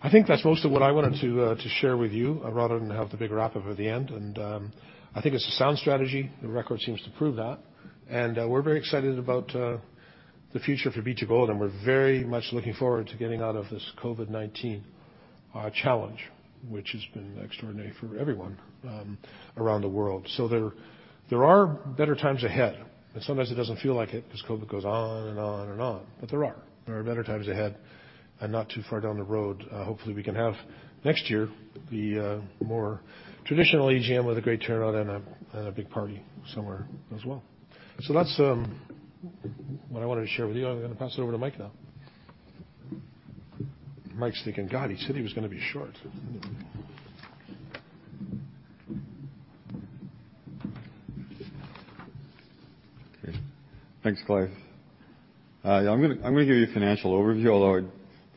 Speaker 1: I think that's most of what I wanted to share with you, rather than have the big wrap up at the end, and I think it's a sound strategy. The record seems to prove that. We're very excited about the future for B2Gold. We're very much looking forward to getting out of this COVID-19 challenge, which has been extraordinary for everyone around the world. There are better times ahead. Sometimes it doesn't feel like it as COVID goes on and on. There are. There are better times ahead and not too far down the road. Hopefully, we can have next year, the more traditional AGM with a great turnout and a big party somewhere as well. That's what I want to share with you. I'm going to pass it over to Mike now. Mike's thinking, "God, he said he was going to be short.
Speaker 3: Okay. Thanks, Clive. I'm going to give you a financial overview, although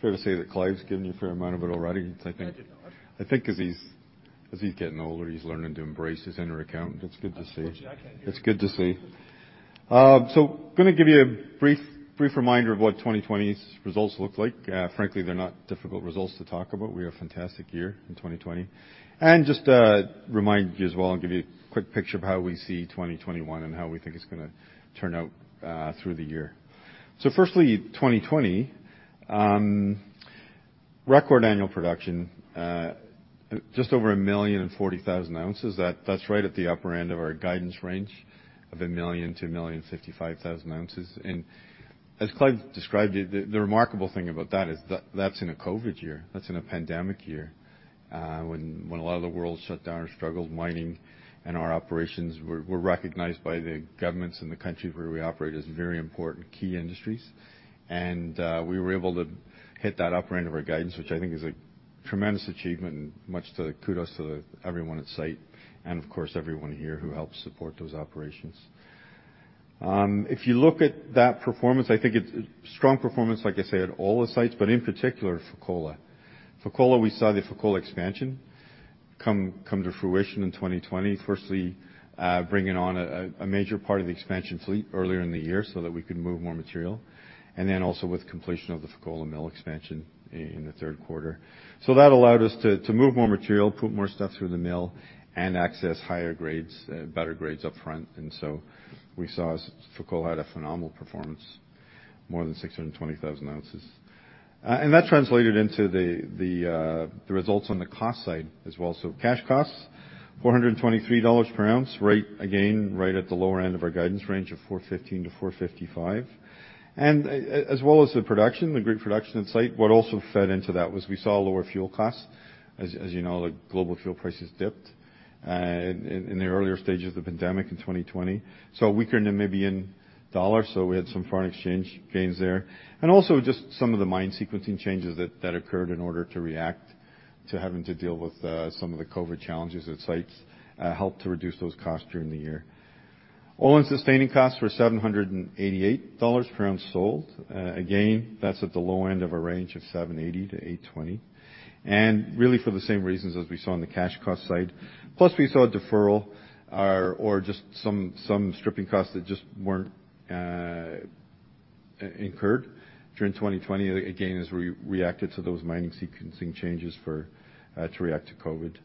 Speaker 3: fair to say that Clive's given you a fair amount of it already. I think as he's getting older, he's learning to embrace his inner accountant. It's good to see. I'm going to give you a brief reminder of what 2020's results look like. Frankly, they're not difficult results to talk about. We had a fantastic year in 2020. Just to remind you as well and give you a quick picture of how we see 2021 and how we think it's going to turn out through the year. Firstly, 2020, record annual production, just over 1,040,000 ounces. That's right at the upper end of our guidance range of 1,000,000-1,055,000 ounces. As Clive described it, the remarkable thing about that is that's in a COVID year. That's in a pandemic year, when a lot of the world shut down and struggled mining, and our operations were recognized by the governments in the countries where we operate as very important key industries. We were able to hit that upper end of our guidance, which I think is a tremendous achievement and much kudos to everyone at site and, of course, everyone here who helps support those operations. If you look at that performance, I think it's a strong performance, like I said, at all the sites, but in particular Fekola. Fekola, we saw the Fekola expansion come to fruition in 2020, firstly, bringing on a major part of the expansion fleet earlier in the year so that we could move more material, and then also with completion of the Fekola mill expansion in the third quarter. That allowed us to move more material, put more stuff through the mill, and access higher grades, better grades up front. We saw Fekola had a phenomenal performance, more than 620,000 ounces. That translated into the results on the cost side as well. Cash costs, $423 per ounce, again, right at the lower end of our guidance range of $415-$455. As well as the production, the great production on site, what also fed into that was we saw lower fuel costs. As you know, the global fuel prices dipped in the earlier stages of the pandemic in 2020. A weaker Namibian dollar, so we had some foreign exchange gains there, and also just some of the mine sequencing changes that occurred in order to react to having to deal with some of the COVID challenges at sites helped to reduce those costs during the year. All-in sustaining costs were $788 per ounce sold. That's at the low end of our range of $780-$820. Really for the same reasons as we saw on the cash cost side, plus we saw a deferral or just some stripping costs that just weren't incurred during 2020. As we reacted to those mining sequencing changes to react to COVID.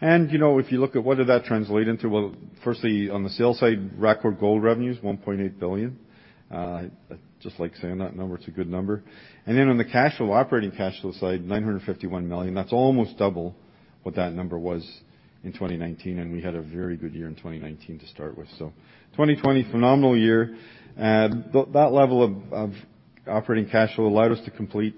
Speaker 3: If you look at what did that translate into? Firstly, on the sales side, record gold revenues, $1.8 billion. I just like saying that number. It's a good number. On the cash flow, operating cash flow side, $951 million. That's almost double what that number was in 2019. We had a very good year in 2019 to start with. 2020, phenomenal year. That level of operating cash flow allowed us to complete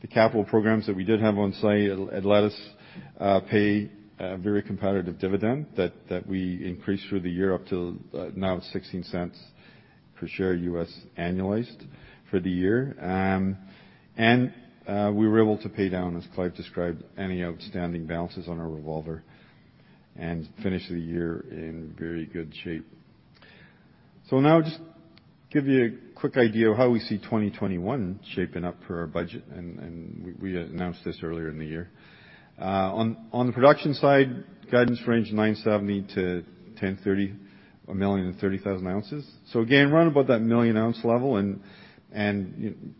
Speaker 3: the capital programs that we did have on site. It allowed us pay a very competitive dividend that we increased through the year up to now $0.16 per share U.S. annualized for the year. We were able to pay down, as Clive described, any outstanding balances on our revolver and finish the year in very good shape. Just to give you a quick idea of how we see 2021 shaping up for our budget. We announced this earlier in the year. On the production side, guidance range 970,000-1,030,000 ounces. Again, around about that million ounce level and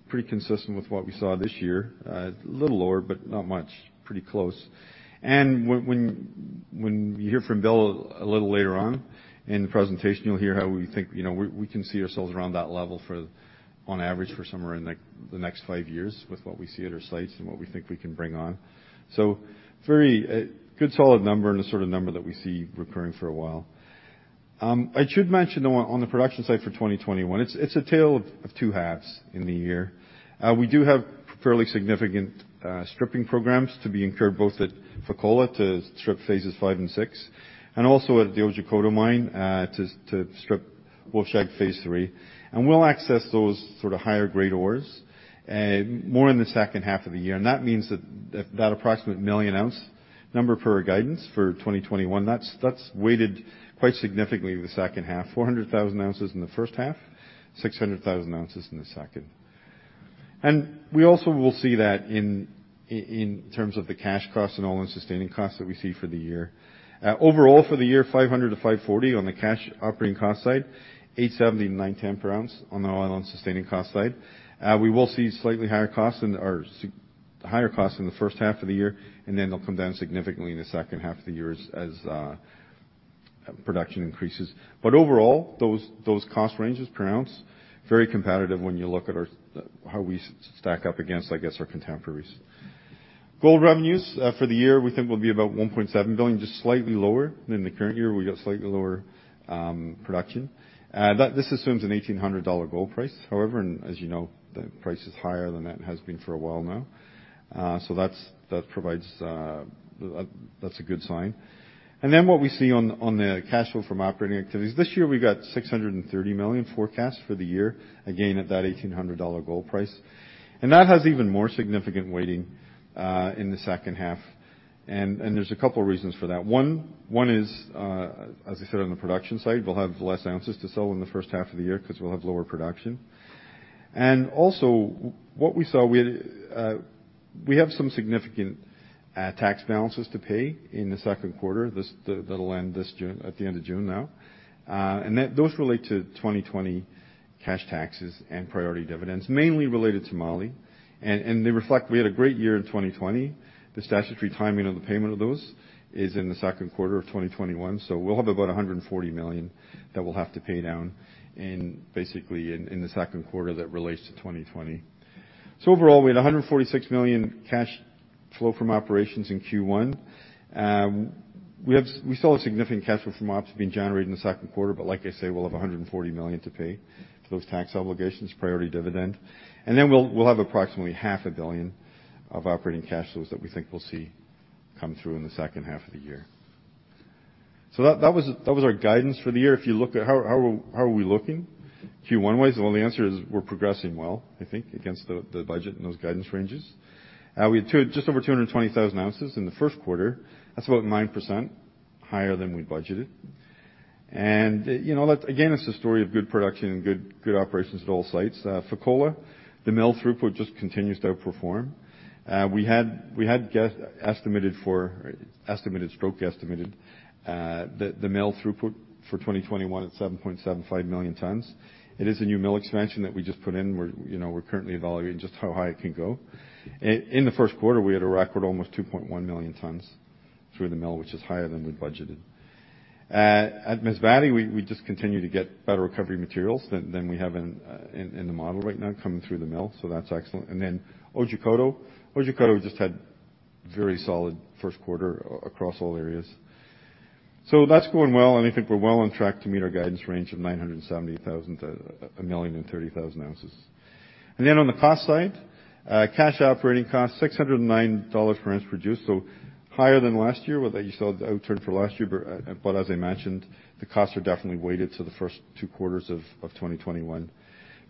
Speaker 3: pretty consistent with what we saw this year. A little lower, but not much, pretty close. When you hear from Bill a little later on in the presentation, you'll hear how we think we can see ourselves around that level on average for somewhere in the next five years with what we see at our sites and what we think we can bring on. Very good solid number and the sort of number that we see recurring for a while. I should mention, though, on the production side for 2021, it's a tale of two halves in the year. We do have fairly significant stripping programs to be incurred both at Fekola to strip phases 5 and 6, and also at the Otjikoto mine to strip Wolfshag phase 3. We'll access those sort of higher-grade ores more in the second half of the year. That means that approximate 1 million ounce number for our guidance for 2021, that's weighted quite significantly the second half, 400,000 ounces in the first half, 600,000 ounces in the second. We also will see that in terms of the cash cost and all-in sustaining costs that we see for the year. Overall for the year, $500-$540 on the cash operating cost side, $870-$910 per ounce on the all-in sustaining cost side. We will see slightly higher costs in the first half of the year, and then they'll come down significantly in the second half of the year as production increases. Overall, those cost ranges per ounce, very competitive when you look at how we stack up against our contemporaries. Gold revenues for the year, we think will be about $1.7 billion, just slightly lower than the current year. We've got slightly lower production. This assumes an $1,800 gold price. However, as you know, the price is higher than that and has been for a while now. That's a good sign. What we see on the cash flow from operating activities, this year we got $630 million forecast for the year, again, at that $1,800 gold price. That has even more significant weighting in the second half. There's a couple of reasons for that. One is, as I said, on the production side, we'll have less ounces to sell in the first half of the year because we'll have lower production. We have some significant tax balances to pay in the second quarter that'll end at the end of June now. Those relate to 2020 cash taxes and priority dividends mainly related to Mali. They reflect we had a great year in 2020. The statutory timing of the payment of those is in the second quarter of 2021. We'll have about $140 million that we'll have to pay down basically in the second quarter that relates to 2020. We had $146 million cash flow from operations in Q1. We saw a significant cash flow from ops being generated in the second quarter, like I say, we'll have $140 million to pay for those tax obligations, priority dividend. We'll have approximately $500 million of operating cash flows that we think we'll see come through in the second half of the year. That was our guidance for the year. If you look at how are we looking Q1-wise, well, the answer is we're progressing well, I think, against the budget and those guidance ranges. We had just over 220,000 ounces in the first quarter. That's about 9% higher than we budgeted. Again, it's a story of good production and good operations at all sites. Fekola, the mill throughput just continues to outperform. We had estimated/guesstimated the mill throughput for 2021 at 7.75 million tons. It is a new mill expansion that we just put in. We're currently evaluating just how high it can go. In the first quarter, we had a record almost 2.1 million tons through the mill, which is higher than we budgeted. At Masbate, we just continue to get better recovery materials than we have in the model right now coming through the mill. That's excellent. Otjikoto just had a very solid first quarter across all areas. That's going well, and I think we're well on track to meet our guidance range of 970,000-1,030,000 ounces. On the cost side, cash operating cost, $609 per ounce produced, higher than last year, although you saw the outlook for last year. As I mentioned, the costs are definitely weighted to the first two quarters of 2021.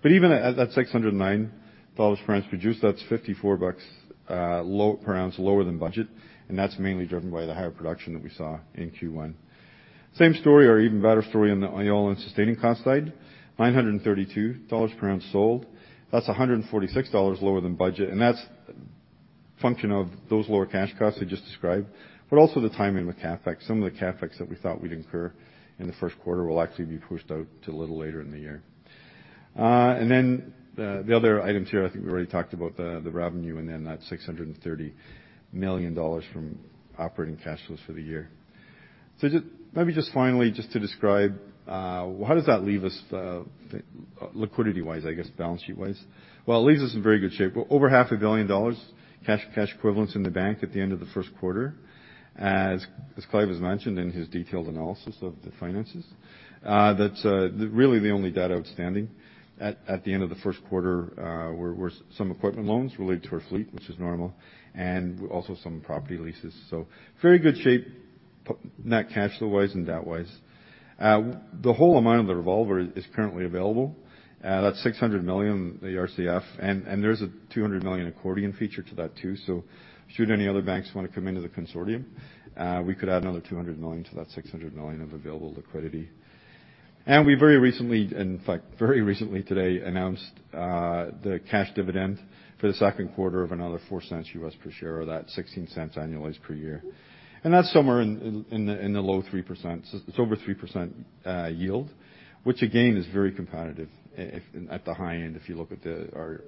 Speaker 3: Even at that $609 per ounce produced, that is $54 per ounce lower than budget, and that is mainly driven by the higher production that we saw in Q1. Same story or even better story on the all-in sustaining cost side, $932 per ounce sold. That is $146 lower than budget, and that is a function of those lower cash costs I just described, but also the timing of the CapEx. Some of the CapEx that we thought we would incur in the first quarter will actually be pushed out to a little later in the year. The other items here, I think we already talked about the revenue and then that $630 million from operating cash flows for the year. Maybe just finally just to describe where does that leave us liquidity-wise, I guess, balance sheet-wise? Well, it leaves us in very good shape. Over $500 million cash equivalents in the bank at the end of the first quarter. As Clive has mentioned in his detailed analysis of the finances, that's really the only data outstanding at the end of the first quarter, were some equipment loans related to our fleet, which is normal, and also some property leases. Very good shape, net cash flow-wise and debt-wise. The whole amount of the revolver is currently available. That's $600 million, the RCF, and there's a $200 million accordion feature to that, too. Should any other banks want to come into the consortium, we could add another $200 million to that $600 million of available liquidity. We very recently, in fact, very recently today, announced the cash dividend for the second quarter of another $0.04 U.S. per share or that $0.16 annualized per year. That's somewhere in the low 3%, it's over 3% yield, which again, is very competitive at the high end if you look at our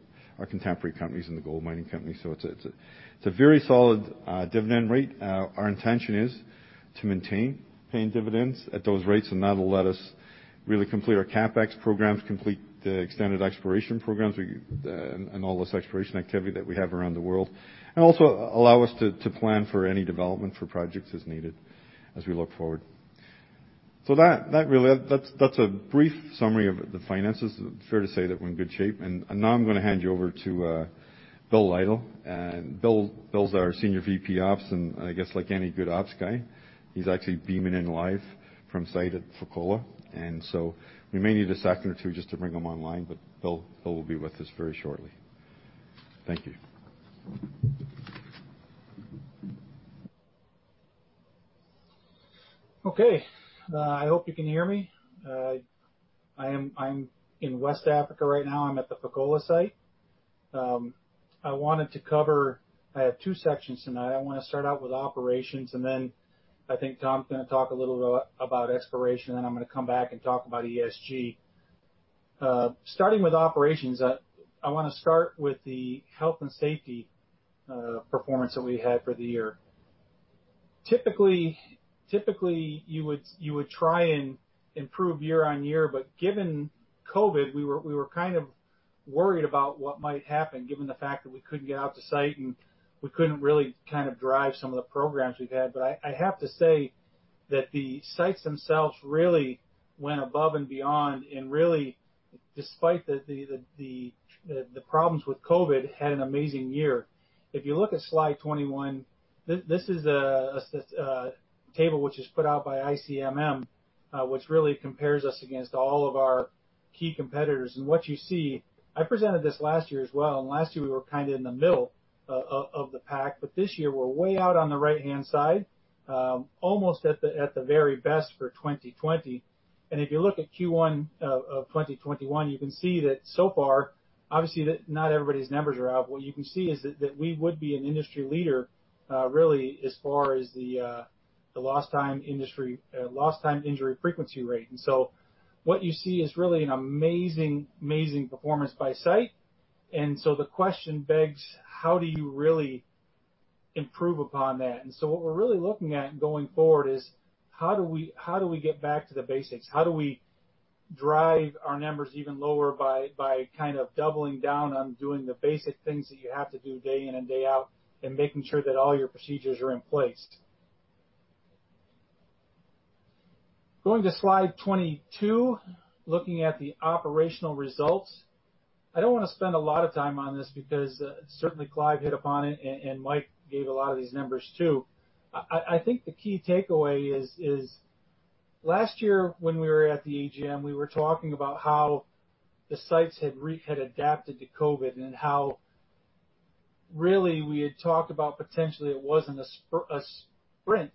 Speaker 3: contemporary companies and the gold mining companies. It's a very solid dividend rate. Our intention is to maintain paying dividends at those rates, and that'll let us really complete our CapEx programs, complete the extended exploration programs, and all this exploration activity that we have around the world, and also allow us to plan for any development for projects as needed as we look forward. That's a brief summary of the finances. Fair to say that we're in good shape. Now I'm going to hand you over to Bill Lytle. Bill's our Senior VP Ops, and I guess like any good ops guy, he's actually beaming in live from site at Fekola. We may need a second or two just to bring him online, but Bill will be with us very shortly. Thank you.
Speaker 4: Okay. I hope you can hear me. I am in West Africa right now. I'm at the Fekola site. I have two sections tonight. I want to start out with operations. I think Tom's going to talk a little bit about exploration. I'm going to come back and talk about ESG. Starting with operations, I want to start with the health and safety performance that we had for the year. Typically, you would try and improve year-over-year. Given COVID, we were worried about what might happen given the fact that we couldn't get out to site. We couldn't really drive some of the programs we'd had. I have to say that the sites themselves really went above and beyond and really, despite the problems with COVID, had an amazing year. If you look at slide 21, this is a table which is put out by ICMM which really compares us against all of our key competitors. What you see, I presented this last year as well, and last year we were in the middle of the pack. This year, we're way out on the right-hand side, almost at the very best for 2020. If you look at Q1 of 2021, you can see that so far, obviously not everybody's numbers are out, what you can see is that we would be an industry leader really as far as the lost time injury frequency rate. What you see is really an amazing performance by site. The question begs, how do you really improve upon that? What we're really looking at going forward is how do we get back to the basics? How do we drive our numbers even lower by doubling down on doing the basic things that you have to do day in and day out, and making sure that all your procedures are in place? Going to slide 22, looking at the operational results. I don't want to spend a lot of time on this because certainly Clive hit up on it and Mike gave a lot of these numbers too. I think the key takeaway is last year when we were at the AGM, we were talking about how the sites had adapted to COVID, and how really we had talked about potentially it wasn't a sprint,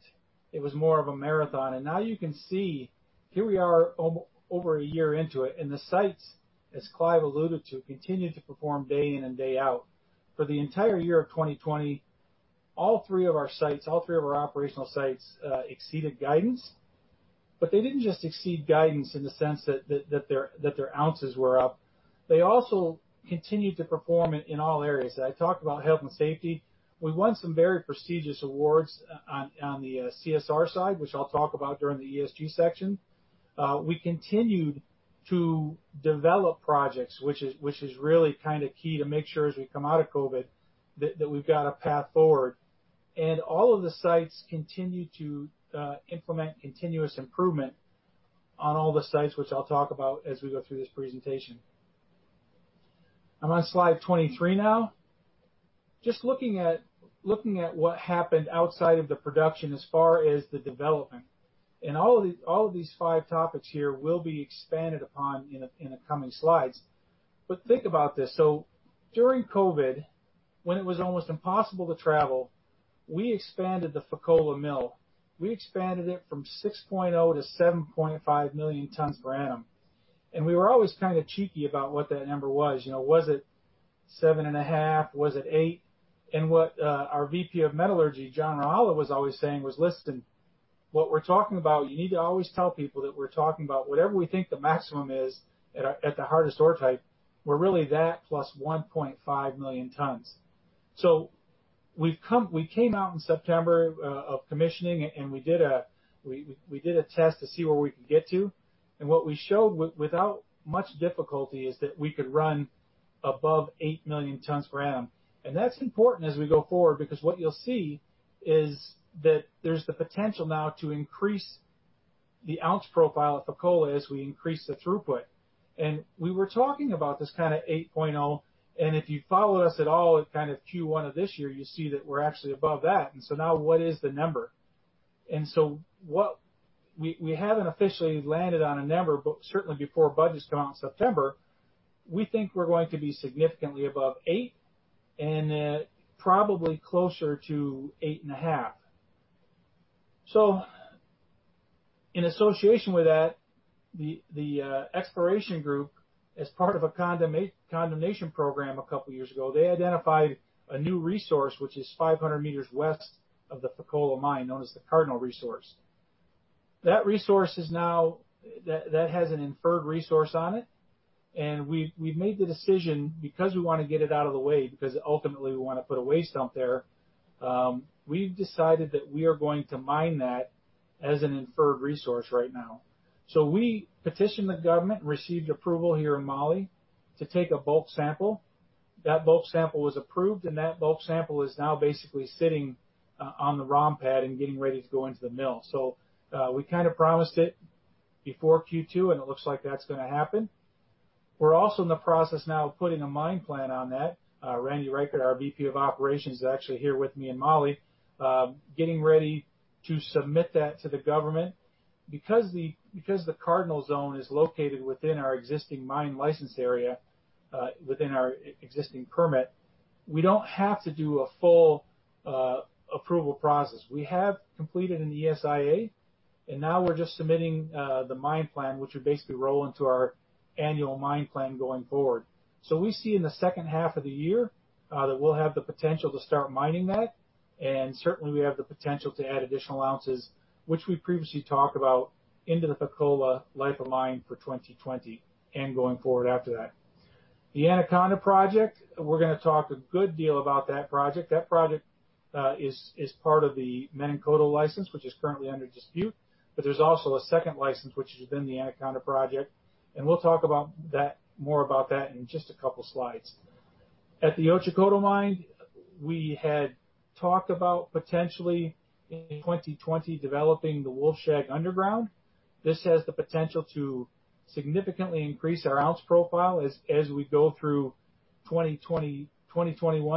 Speaker 4: it was more of a marathon. Now you can see here we are over one year into it, and the sites, as Clive alluded to, continued to perform day in and day out. For the entire year of 2020, all three of our sites, all three of our operational sites exceeded guidance. They didn't just exceed guidance in the sense that their ounces were up. They also continued to perform in all areas. I talked about health and safety. We won some very prestigious awards on the CSR side, which I'll talk about during the ESG section. We continued to develop projects, which is really key to make sure as we come out of COVID, that we've got a path forward. All of the sites continue to implement continuous improvement on all the sites, which I'll talk about as we go through this presentation. I'm on slide 23 now. Just looking at what happened outside of the production as far as the development. All these five topics here will be expanded upon in the coming slides. Think about this, during COVID, when it was almost impossible to travel, we expanded the Fekola mill. We expanded it from 6.0 million tons to 7.5 million tons per annum. We were always kind of cheeky about what that number was. Was it 7.5 million tons? Was it 8 million tons? What our VP of Metallurgy, John O'Halloran, was always saying was, "Listen, what we're talking about, you need to always tell people that we're talking about whatever we think the maximum is at the hardest ore type, we're really that +1.5 million tons." We came out in September of commissioning, and we did a test to see where we could get to, and what we showed without much difficulty is that we could run above 8 million tons per annum. That's important as we go forward because what you'll see is that there's the potential now to increase the ounce profile at Fekola as we increase the throughput. We were talking about this kind of 8.0 million tons, and if you follow us at all at Q1 of this year, you'll see that we're actually above that. Now what is the number? We haven't officially landed on a number, but certainly before budgets go out in September, we think we're going to be significantly above 8 million tons and at probably closer to 8.5 million tons. In association with that, the exploration group, as part of a condemnation program a couple of years ago, they identified a new resource, which is 500 m west of the Fekola mine, known as the Cardinal resource. That resource that has an inferred resource on it, and we made the decision because we want to get it out of the way, because ultimately we want to put a waste dump there. We've decided that we are going to mine that as an inferred resource right now. We petitioned the government, received approval here in Mali to take a bulk sample. That bulk sample was approved, and that bulk sample is now basically sitting on the ROM pad and getting ready to go into the mill. We promised it before Q2, and it looks like that's going to happen. We're also in the process now of putting a mine plan on that. Randy Reichert, our VP of Operations, is actually here with me in Mali, getting ready to submit that to the government. The Cardinal zone is located within our existing mine license area, within our existing permit. We don't have to do a full approval process. We have completed an ESIA. Now we're just submitting the mine plan, which will basically roll into our annual mine plan going forward. We see in the second half of the year that we'll have the potential to start mining that. Certainly, we have the potential to add additional ounces, which we previously talked about into the Fekola life of mine for 2020 and going forward after that. The Anaconda project, we're going to talk a good deal about that project. That project is part of the Menankoto license, which is currently under dispute. There's also a second license which is within the Anaconda project. We'll talk more about that in just a couple of slides. At the Otjikoto mine, we had talked about potentially in 2020 developing the Wolfshag underground. This has the potential to significantly increase our ounce profile as we go through 2021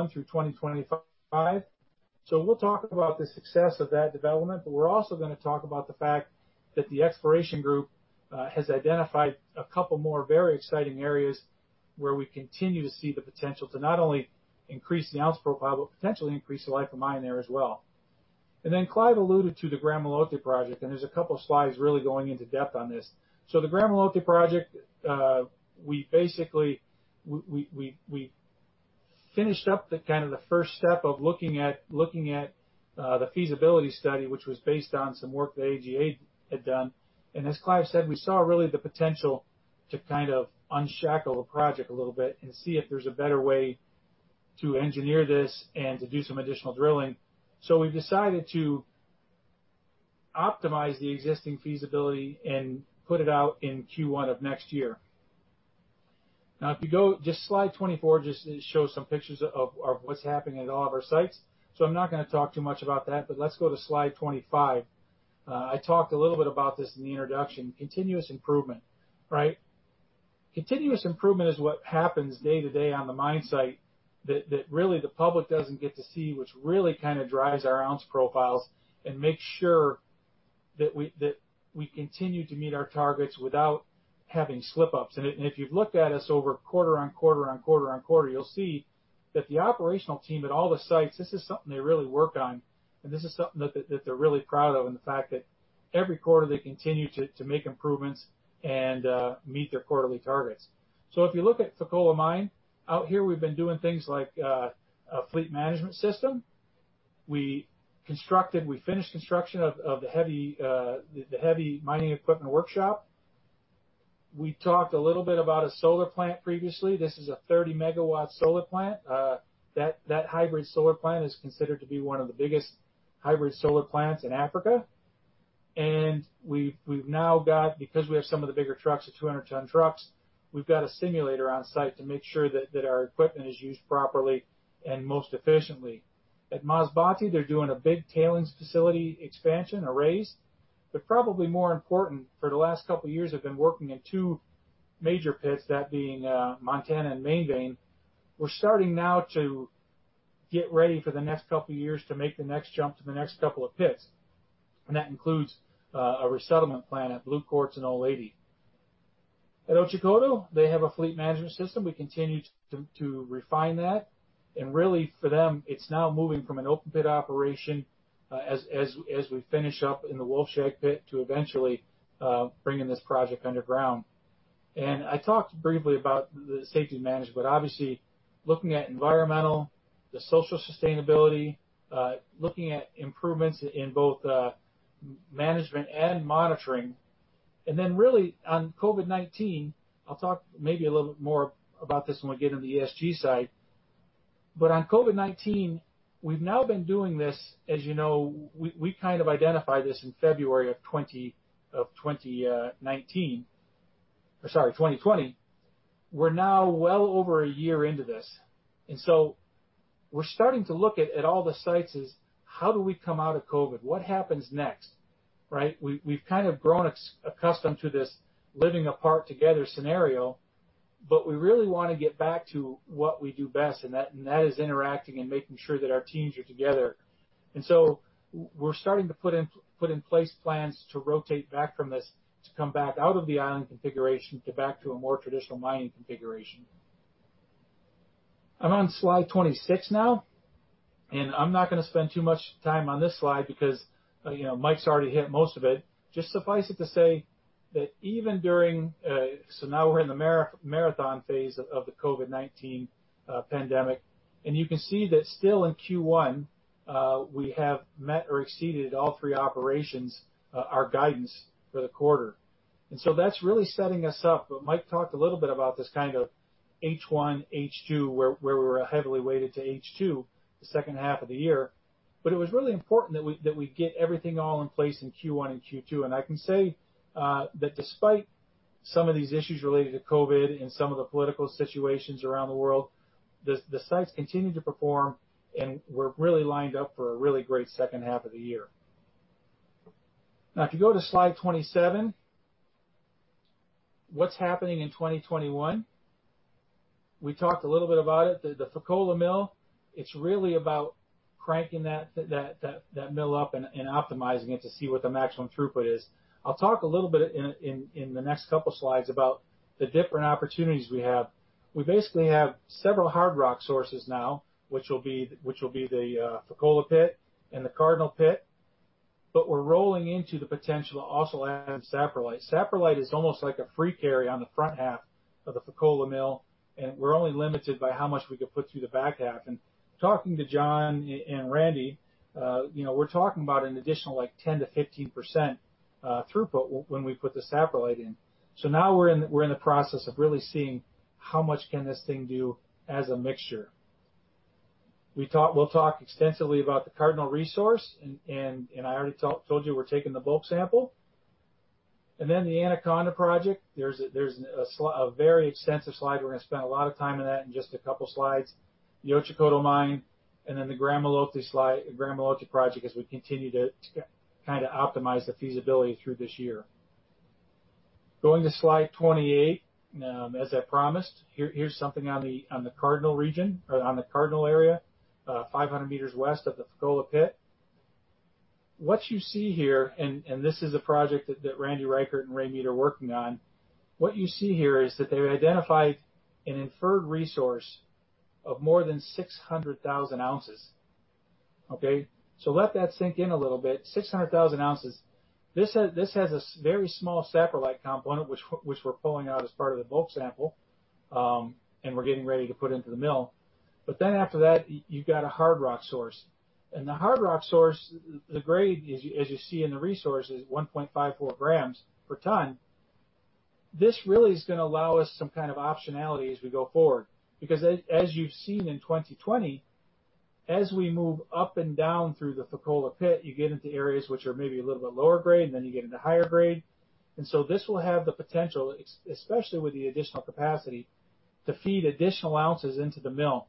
Speaker 4: through 2025. We'll talk about the success of that development, but we're also going to talk about the fact that the exploration group has identified a couple more very exciting areas where we continue to see the potential to not only increase the ounce profile but potentially increase the life of mine there as well. Then Clive alluded to the Gramalote project, and there's a couple of slides really going into depth on this. The Gramalote project, we basically finished up the first step of looking at the feasibility study, which was based on some work that AGA had done. As Clive said, we saw really the potential to unshackle the project a little bit and see if there's a better way to engineer this and to do some additional drilling. We've decided to optimize the existing feasibility and put it out in Q1 of next year. If you go, just slide 24 just shows some pictures of what's happening at all of our sites. I'm not going to talk too much about that, but let's go to slide 25. I talked a little bit about this in the introduction. Continuous improvement. Continuous improvement is what happens day to day on the mine site that really the public doesn't get to see, which really drives our ounce profiles and makes sure that we continue to meet our targets without having slip-ups. If you've looked at us over quarter on quarter on quarter on quarter, you'll see that the operational team at all the sites, this is something they really work on, and this is something that they're really proud of, and the fact that every quarter they continue to make improvements and meet their quarterly targets. If you look at Fekola Mine, out here we've been doing things like a fleet management system. We finished construction of the heavy mining equipment workshop. We talked a little bit about a solar plant previously. This is a 30 MW solar plant. That hybrid solar plant is considered to be one of the biggest hybrid solar plants in Africa. We've now got, because we have some of the bigger trucks, the 200-ton trucks, we've got a simulator on site to make sure that our equipment is used properly and most efficiently. At Masbate, they're doing a big tailings facility expansion, a raise. Probably more important, for the last couple of years, they've been working at two major pits, that being Montana and Main Vein. We're starting now to get ready for the next couple of years to make the next jump to the next couple of pits, and that includes a resettlement plan at Blue Quartz and Old Lady. At Otjikoto, they have a fleet management system. We continue to refine that. Really for them, it's now moving from an open pit operation as we finish up in the Wolfshag pit to eventually bringing this project underground. I talked briefly about the safety management, obviously, looking at environmental, the social sustainability, looking at improvements in both management and monitoring. Really on COVID-19, I'll talk maybe a little bit more about this when we get into the ESG side. On COVID-19, we've now been doing this, as you know, we identified this in February of 2019. Sorry, 2020. We're now well over a year into this. We're starting to look at all the sites as how do we come out of COVID? What happens next? We've grown accustomed to this living apart together scenario, but we really want to get back to what we do best, and that is interacting and making sure that our teams are together. We're starting to put in place plans to rotate back from this, to come back out of the island configuration, to back to a more traditional mining configuration. I'm on slide 26 now. I'm not going to spend too much time on this slide because Mike's already hit most of it. Just suffice it to say that even during, now we're in the marathon phase of the COVID-19 pandemic, you can see that still in Q1, we have met or exceeded all three operations, our guidance for the quarter. That's really setting us up. Mike talked a little bit about this H1, H2, where we're heavily weighted to H2, the second half of the year. It was really important that we get everything all in place in Q1 and Q2. I can say that despite some of these issues related to COVID and some of the political situations around the world, the sites continue to perform, and we're really lined up for a really great second half of the year. Now, if you go to slide 27, what's happening in 2021? We talked a little bit about it, the Fekola mill, it's really about cranking that mill up and optimizing it to see what the maximum throughput is. I'll talk a little bit in the next couple of slides about the different opportunities we have. We basically have several hard rock sources now, which will be the Fekola pit and the Cardinal pit, but we're rolling into the potential to also add in satellite. Satellite is almost like a free carry on the front half of the Fekola mill, and we're only limited by how much we can put through the back half. Talking to John and Randy, we're talking about an additional 10%-15% throughput when we put the satellite in. Now we're in the process of really seeing how much can this thing do as a mixture. We'll talk extensively about the Cardinal resource, and I already told you we're taking the bulk sample. The Anaconda Project, there's a very extensive slide. We're going to spend a lot of time on that in just a couple of slides. The Otjikoto Mine, the Gramalote Project as we continue to optimize the feasibility through this year. Going to slide 28. As I promised, here's something on the Cardinal region or on the Cardinal area, 500 m west of the Fekola pit. What you see here, this is a project that Randy Reichert and I are working on. What you see here is that they've identified an inferred resource of more than 600,000 ounces. Okay? Let that sink in a little bit, 600,000 ounces. This has a very small satellite component, which we're pulling out as part of the bulk sample, and we're getting ready to put into the mill. After that, you've got a hard rock source. The hard rock source, the grade, as you see in the resource, is 1.54 g per ton. This really is going to allow us some kind of optionality as we go forward, because as you've seen in 2020, as we move up and down through the Fekola pit, you get into areas which are maybe a little bit lower grade, then you get into higher grade. This will have the potential, especially with the additional capacity, to feed additional ounces into the mill.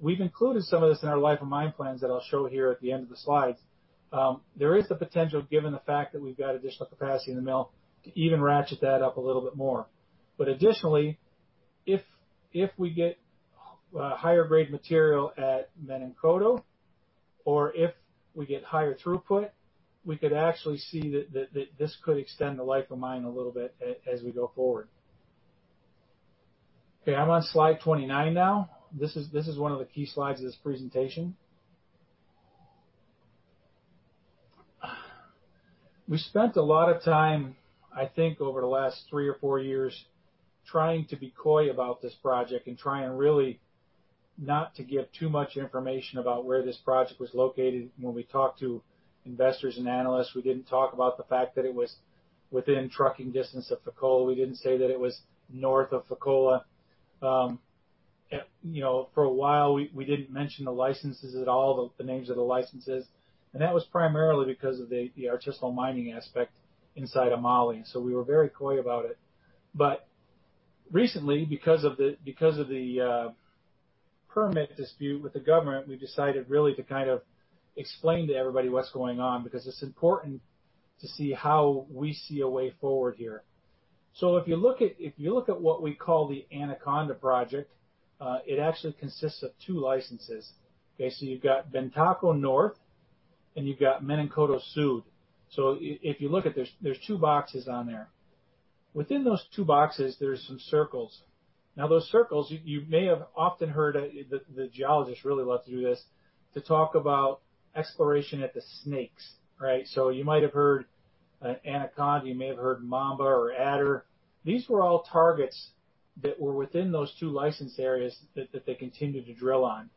Speaker 4: We've included some of this in our life of mine plans that I'll show here at the end of the slides. There is the potential, given the fact that we've got additional capacity in the mill, to even ratchet that up a little bit more. Additionally, if we get higher grade material at Menankoto or if we get higher throughput, we could actually see that this could extend the life of mine a little bit as we go forward. Okay, I'm on slide 29 now. This is one of the key slides of this presentation. We spent a lot of time, I think, over the last three or four years trying to be coy about this project and trying really not to give too much information about where this project was located. When we talked to investors and analysts, we didn't talk about the fact that it was within trucking distance of Fekola. We didn't say that it was north of Fekola. For a while, we didn't mention the licenses at all, the names of the licenses. That was primarily because of the artisanal mining aspect inside of Mali, and so we were very coy about it. Recently, because of the permit dispute with the government, we decided really to explain to everybody what's going on, because it's important to see how we see a way forward here. If you look at what we call the Anaconda Project, it actually consists of two licenses. You've got Bantako North and you've got Menankoto Sud. If you look, there's two boxes on there. Within those two boxes, there's some circles. Those circles, you may have often heard the geologists really love to do this, to talk about exploration at the snakes. You might have heard Anaconda, you may have heard Mamba or Adder. These were all targets that were within those two license areas that they continued to drill on.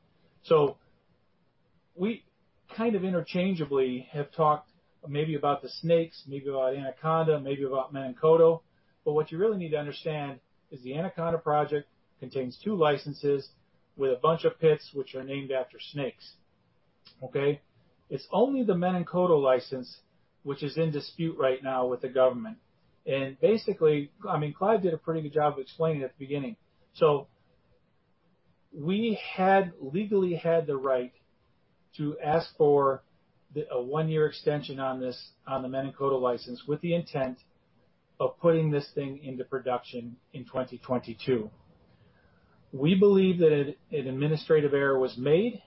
Speaker 4: We kind of interchangeably have talked maybe about the snakes, maybe about Anaconda, maybe about Menankoto. What you really need to understand is the Anaconda Project contains two licenses with a bunch of pits which are named after snakes. Okay? It's only the Menankoto license which is in dispute right now with the government. Basically, Clive did a pretty good job of explaining at the beginning. We legally had the right to ask for a one-year extension on the Menankoto license with the intent of putting this thing into production in 2022. We believe that an administrative error was made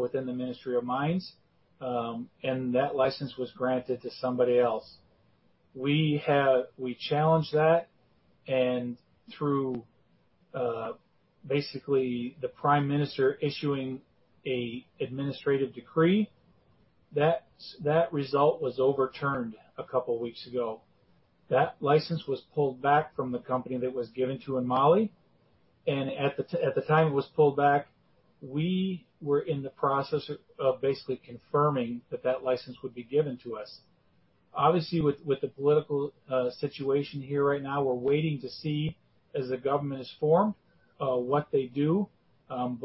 Speaker 4: within the Ministry of Mines, and that license was granted to somebody else. We challenged that, through basically the Prime Minister issuing an administrative decree, that result was overturned a couple of weeks ago. That license was pulled back from the company that it was given to in Mali. At the time it was pulled back, we were in the process of basically confirming that that license would be given to us. Obviously, with the political situation here right now, we're waiting to see as a government is formed, what they do.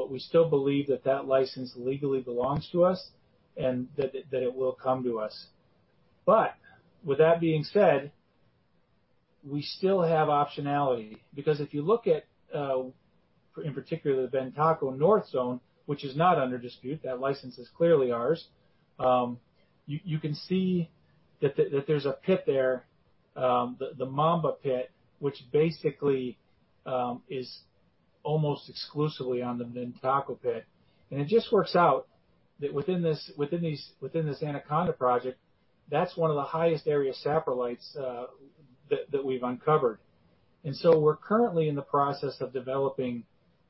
Speaker 4: We still believe that that license legally belongs to us and that it will come to us. With that being said, we still have optionality because if you look at, in particular, the Bantako North Zone, which is not under dispute, that license is clearly ours. You can see that there's a pit there, the Mamba pit, which basically is almost exclusively on the Bantako pit. It just works out that within this Anaconda Project, that's one of the highest area saprolites that we've uncovered. We're currently in the process of developing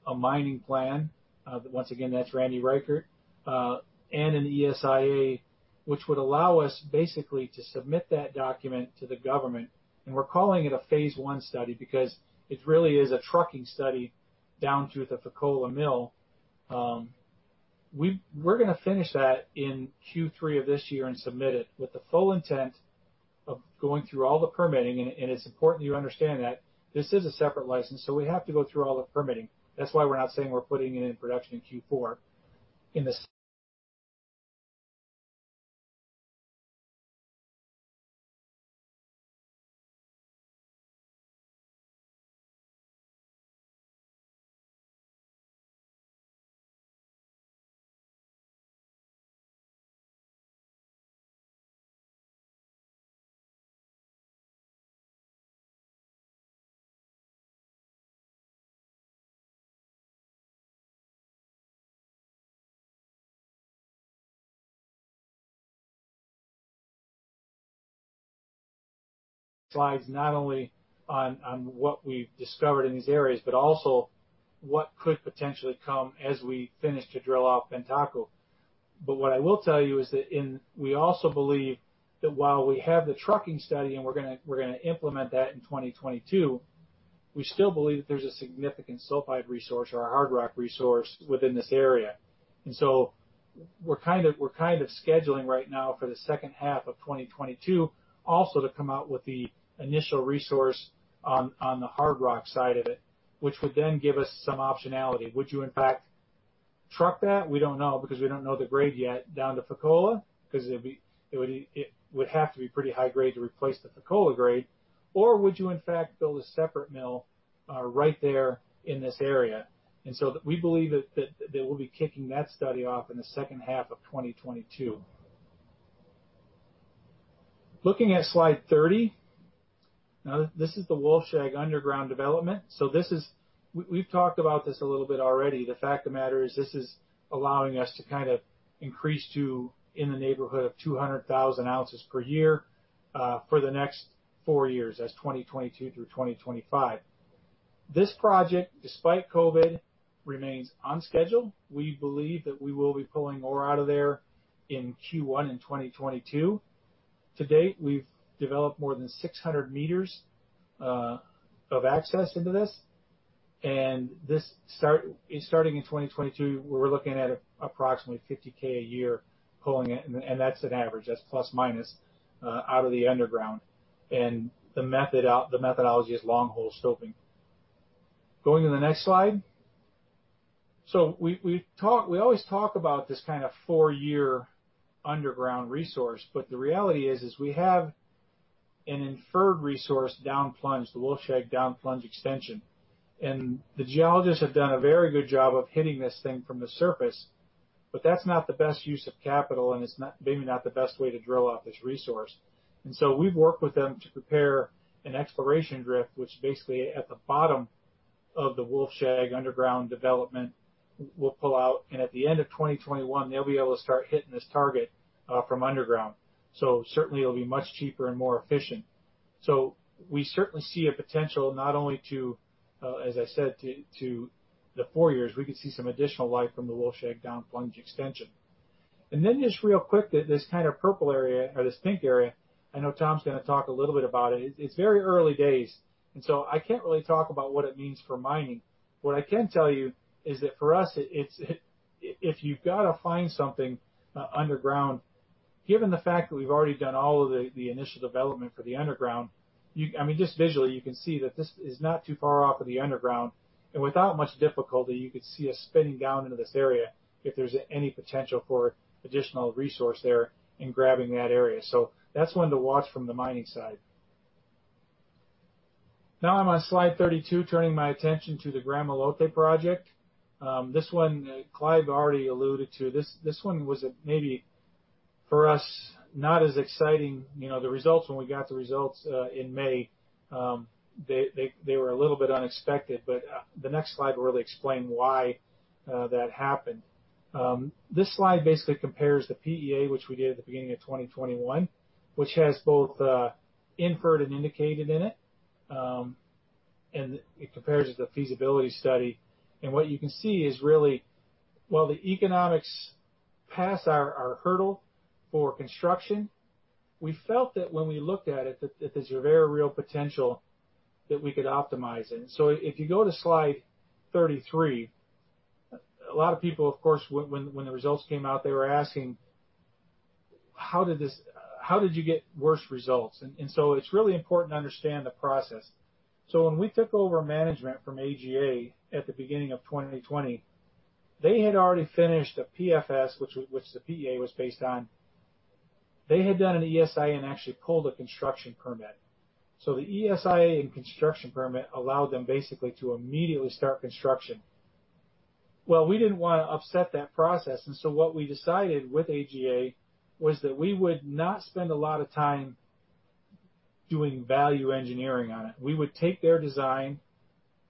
Speaker 4: a mining plan, once again, that's Randy Reichert, and an ESIA, which would allow us basically to submit that document to the government. We're calling it a phase 1 study because it really is a trucking study down to the Fekola mill. We're going to finish that in Q3 of this year and submit it with the full intent of going through all the permitting. It's important you understand that this is a separate license, so we have to go through all the permitting. That's why we're not saying we're putting it in production in Q4. In the slides not only on what we've discovered in these areas, but also what could potentially come as we finish to drill off Menankoto. What I will tell you is that we also believe that while we have the trucking study, and we're going to implement that in 2022, we still believe that there's a significant sulfide resource or a hard rock resource within this area. We're kind of scheduling right now for the second half of 2022 also to come out with the initial resource on the hard rock side of it, which would then give us some optionality. Would you, in fact, truck that? We don't know, because we don't know the grade yet down to Fekola, because it would have to be pretty high grade to replace the Fekola grade, or would you in fact build a separate mill right there in this area? We believe that we'll be kicking that study off in the second half of 2022. Looking at slide 30. This is the Wolfshag underground development. We've talked about this a little bit already. The fact of the matter is this is allowing us to kind of increase to in the neighborhood of 200,000 ounces per year, for the next four years, that's 2022 through 2025. This project, despite COVID, remains on schedule. We believe that we will be pulling ore out of there in Q1 in 2022. To date, we've developed more than 600 m of access into this. This is starting in 2022, we're looking at approximately 50,000 a year pulling it, and that's an average, that's plus minus, out of the underground, and the methodology is longhole stoping. Going to the next slide. We always talk about this kind of four-year underground resource. The reality is we have an inferred resource down plunge, the Wolfshag down plunge extension. The geologists have done a very good job of hitting this thing from the surface, but that's not the best use of capital, and it's maybe not the best way to drill out this resource. We've worked with them to prepare an exploration drift, which basically at the bottom of the Wolfshag underground development will pull out, and at the end of 2021, they'll be able to start hitting this target from underground. Certainly it'll be much cheaper and more efficient. We certainly see a potential not only to, as I said, to the four years, we could see some additional life from the Wolfshag down plunge extension. Just real quick, this kind of purple area or this pink area, I know Tom's going to talk a little bit about it. It's very early days. I can't really talk about what it means for mining. What I can tell you is that for us, if you've got to find something underground, given the fact that we've already done all of the initial development for the underground, just visually, you can see that this is not too far off of the underground, and without much difficulty, you could see us spinning down into this area if there's any potential for additional resource there and grabbing that area. That's one to watch from the mining side. I'm on slide 32, turning my attention to the Gramalote project. This one Clive already alluded to. This one was maybe for us, not as exciting. The results when we got the results in May, they were a little bit unexpected. The next slide will really explain why that happened. This slide basically compares the PEA, which we did at the beginning of 2021, which has both inferred and indicated in it. It compares it to the feasibility study. What you can see is really while the economics pass our hurdle for construction, we felt that when we looked at it, that there's a very real potential that we could optimize it. If you go to slide 33, a lot of people, of course, when the results came out, they were asking, "How did you get worse results?" It's really important to understand the process. When we took over management from AGA at the beginning of 2020, they had already finished a PFS, which the PEA was based on. They had done an ESIA and actually pulled a construction permit. The ESIA and construction permit allowed them basically to immediately start construction. We didn't want to upset that process, what we decided with AGA was that we would not spend a lot of time doing value engineering on it. We would take their design,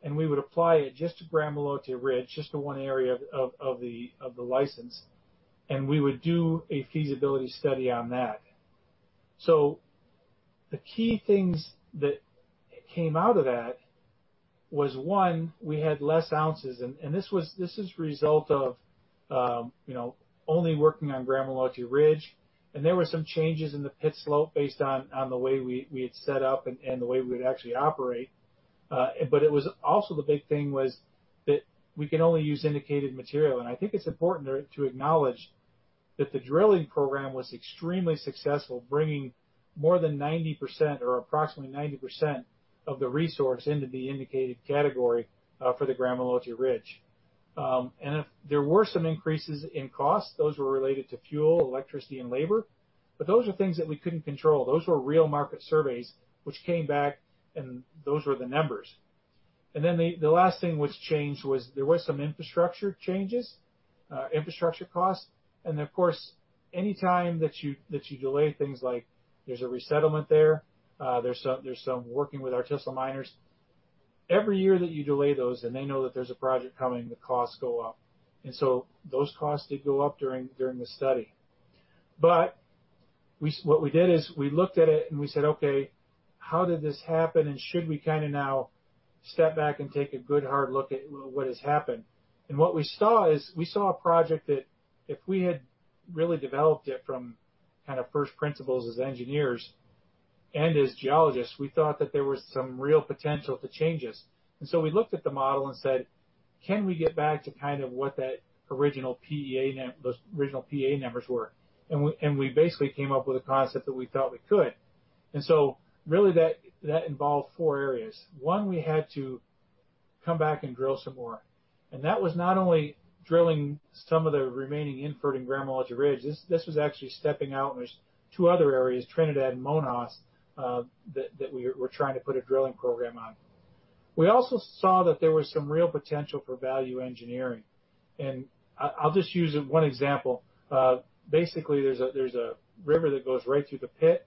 Speaker 4: and we would apply it just to Gramalote Ridge, just the one area of the license, and we would do a feasibility study on that. The key things that came out of that was, one, we had less ounces. This is a result of only working on Gramalote Ridge. There were some changes in the pit slope based on the way we had set up and the way we'd actually operate. It was also the big thing was that we can only use indicated material. I think it's important to acknowledge that the drilling program was extremely successful, bringing more than 90% or approximately 90% of the resource into the indicated category for the Gramalote Ridge. There were some increases in costs. Those were related to fuel, electricity, and labor, but those are things that we couldn't control. Those were real market surveys which came back, and those were the numbers. The last thing which changed was there were some infrastructure changes, infrastructure costs. Of course, anytime that you delay things like there's a resettlement there's some working with artisanal miners. Every year that you delay those, and they know that there's a project coming, the costs go up. So those costs did go up during the study. What we did is we looked at it and we said, "Okay, how did this happen? And should we kind of now step back and take a good hard look at what has happened?" What we saw is we saw a project that if we had really developed it from kind of first principles as engineers and as geologists, we thought that there was some real potential for changes. We looked at the model and said, "Can we get back to kind of what that original PEA numbers were?" We basically came up with a concept that we thought we could. Really that involved four areas. One, we had to come back and drill some more. That was not only drilling some of the remaining inferred in Gramalote Ridge, this was actually stepping out in two other areas, Trinidad and Monjas, that we're trying to put a drilling program on. We also saw that there was some real potential for value engineering. I'll just use one example. Basically, there's a river that goes right through the pit,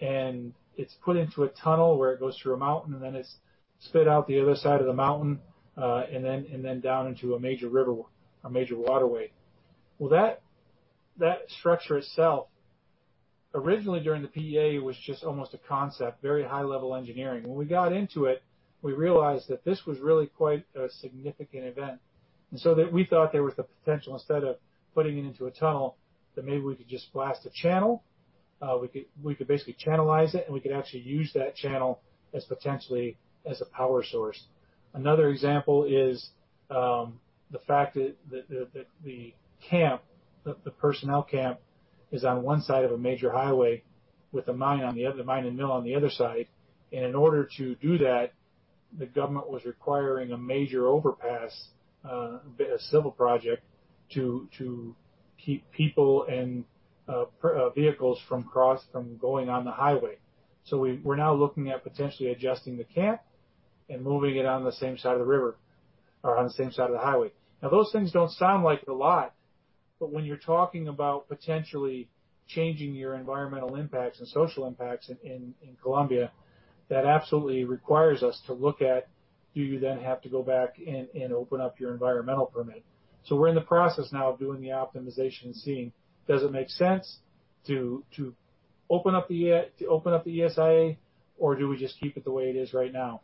Speaker 4: and it's put into a tunnel where it goes through a mountain, and then it's spit out the other side of the mountain, and then down into a major waterway. That structure itself, originally during the PEA, was just almost a concept, very high-level engineering. When we got into it, we realized that this was really quite a significant event. We thought there was the potential, instead of putting it into a tunnel, that maybe we could just blast a channel. We could basically channelize it, and we could actually use that channel as potentially as a power source. Another example is the fact that the personnel camp is on one side of a major highway with a mine and mill on the other side. In order to do that, the government was requiring a major overpass, a civil project to keep people and vehicles from going on the highway. We're now looking at potentially adjusting the camp and moving it on the same side of the highway. Those things don't sound like a lot, but when you're talking about potentially changing your environmental impacts and social impacts in Colombia, that absolutely requires us to look at do you then have to go back and open up your environmental permit. We're in the process now of doing the optimization and seeing, does it make sense to open up the ESIA, or do we just keep it the way it is right now?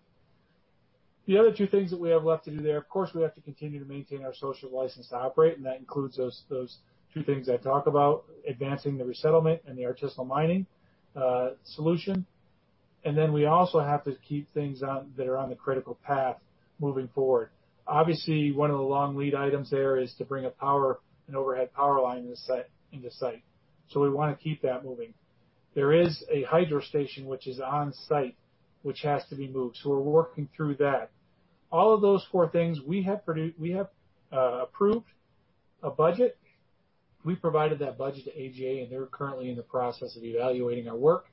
Speaker 4: The other two things that we have left to do there, of course, we have to continue to maintain our social license to operate, and that includes those two things I talk about, advancing the resettlement and the artisanal mining solution. We also have to keep things that are on the critical path moving forward. One of the long lead items there is to bring an overhead power line in the site. We want to keep that moving. There is a hydro station which is on site, which has to be moved. We're working through that. All of those four things, we have approved a budget. We provided that budget to AGA, and they're currently in the process of evaluating our work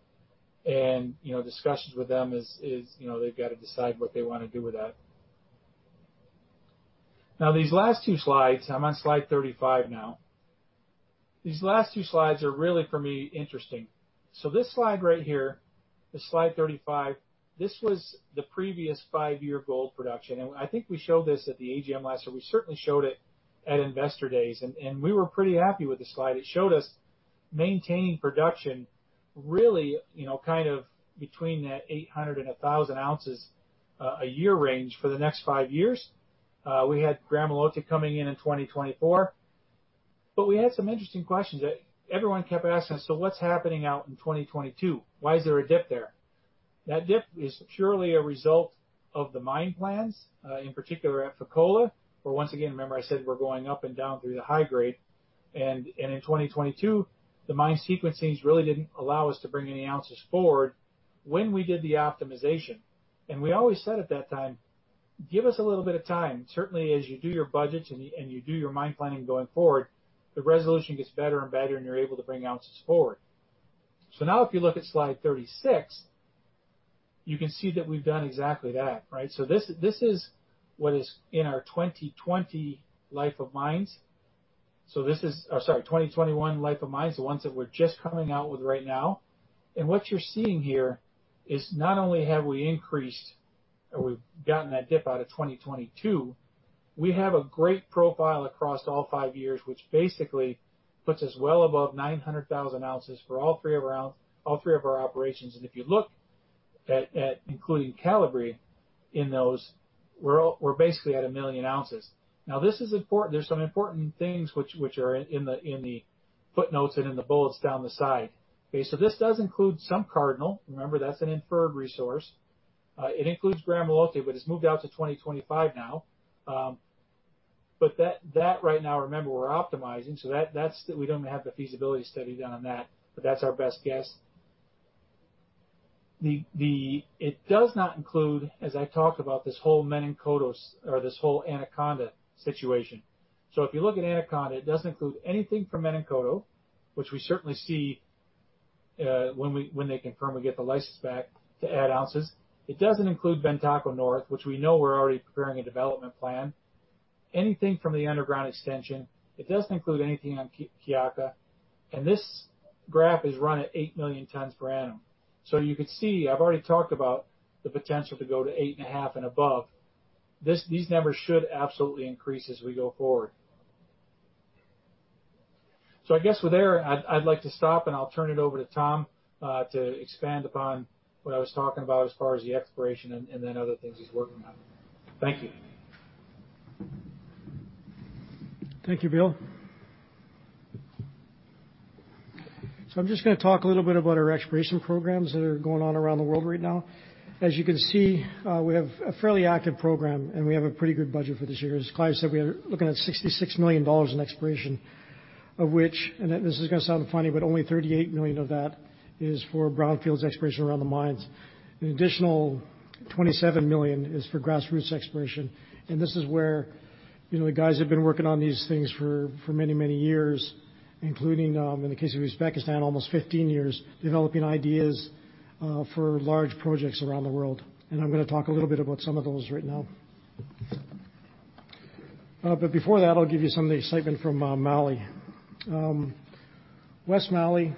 Speaker 4: and discussions with them is they've got to decide what they want to do with that. These last two slides, I'm on slide 35 now. These last two slides are really, for me, interesting. This slide right here, the slide 35, this was the previous five-year gold production. I think we showed this at the AGM last year. We certainly showed it at Investor Days, and we were pretty happy with the slide. It showed us maintaining production really kind of between that 800 ounces and 1,000 ounces a year range for the next five years. We had Gramalote coming in in 2024. We had some interesting questions. Everyone kept asking us, "What's happening out in 2022? Why is there a dip there?" That dip is purely a result of the mine plans, in particular at Fekola. Once again, remember I said we're going up and down through the high grade. In 2022, the mine sequencing really didn't allow us to bring any ounces forward when we did the optimization. We always said at that time, "Give us a little bit of time." Certainly, as you do your budgets and you do your mine planning going forward, the resolution gets better and better, and you're able to bring ounces forward. Now if you look at slide 36, you can see that we've done exactly that, right. This is what is in our 2020 life of mines. Sorry, 2021 life of mines, the ones that we're just coming out with right now. What you're seeing here is not only have we increased or we've gotten that dip out of 2022, we have a great profile across all five years, which basically puts us well above 900,000 ounces for all three of our operations. If you look at including Calibre in those, we're basically at 1 million ounces. This is important. There's some important things which are in the footnotes and in the bullets down the side. This does include some Cardinal. Remember, that's an inferred resource. It includes Gramalote, but it's moved out to 2025 now. That right now, remember, we're optimizing, so we don't have the feasibility study done on that, but that's our best guess. It does not include, as I talked about, this whole Menankoto or this whole Anaconda situation. If you look at Anaconda, it doesn't include anything from Menankoto, which we certainly see when they confirm we get the license back to add ounces. It doesn't include Bantako North, which we know we're already preparing a development plan. It doesn't include anything from the underground extension. It doesn't include anything on Kiaka. This graph is run at 8 million tons per annum. You could see, I've already talked about the potential to go to 8.5 million tons and above. These numbers should absolutely increase as we go forward. I guess with there, I'd like to stop, and I'll turn it over to Tom, to expand upon what I was talking about as far as the exploration and then other things he's working on. Thank you.
Speaker 5: Thank you, Bill. I'm just going to talk a little bit about our exploration programs that are going on around the world right now. As you can see, we have a fairly active program, and we have a pretty good budget for this year. As Clive said, we are looking at $66 million in exploration, of which, and this is going to sound funny, but only $38 million of that is for brownfields exploration around the mines. An additional $27 million is for grassroots exploration, and this is where the guys have been working on these things for many, many years, including, in the case of Uzbekistan, almost 15 years, developing ideas for large projects around the world. I'm going to talk a little bit about some of those right now. Before that, I'll give you some of the excitement from Mali. West Mali,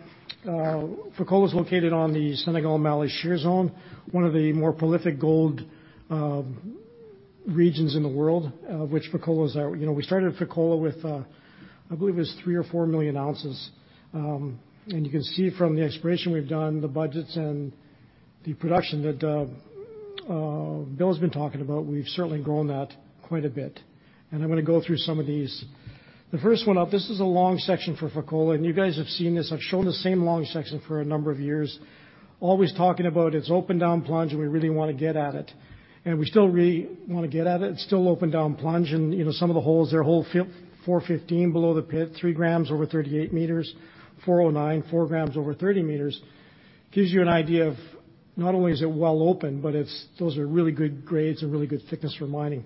Speaker 5: Fekola is located on the Senegal Mali Shear Zone, one of the more prolific gold regions in the world. We started Fekola with, I believe it was 3 million ounces or 4 million ounces. You can see from the exploration we've done, the budgets and the production that Bill's been talking about, we've certainly grown that quite a bit. I'm going to go through some of these. The first one up, this is a long section for Fekola, and you guys have seen this. I've shown the same long section for a number of years, always talking about it's open down plunge, and we really want to get at it. We still really want to get at it. It's still open down plunge, and some of the holes there, hole 415 below the pit, 3 g over 38 m, 409, 4 g over 30 m, gives you an idea of not only is it well open, but those are really good grades and really good thickness for mining.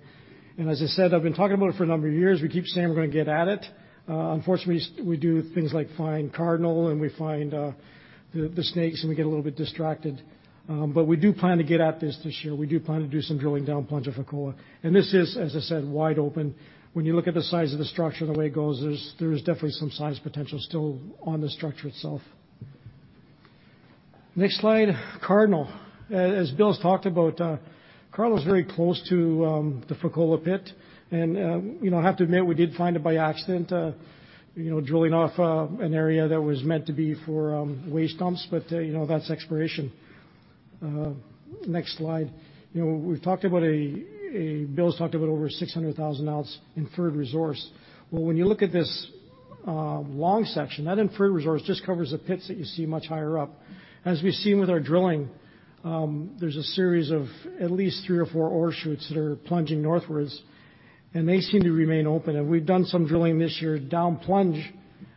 Speaker 5: As I said, I've been talking about it for a number of years. We keep saying we're going to get at it. Unfortunately, we do things like find Cardinal and we find the snakes and we get a little bit distracted. We do plan to get at this this year. We do plan to do some drilling down plunge of Fekola. This is, as I said, wide open. When you look at the size of the structure and the way it goes, there's definitely some size potential still on the structure itself. Next slide, Cardinal. As Bill talked about, Cardinal is very close to the Fekola pit. I have to admit, we did find it by accident, drilling off an area that was meant to be for waste dumps. That's exploration. Next slide. Bill talked about over a 600,000-ounce inferred resource. Well, when you look at this long section, that inferred resource just covers the pits that you see much higher up. As we've seen with our drilling, there's a series of at least three or four ore shoots that are plunging northwards, they seem to remain open. We've done some drilling this year down plunge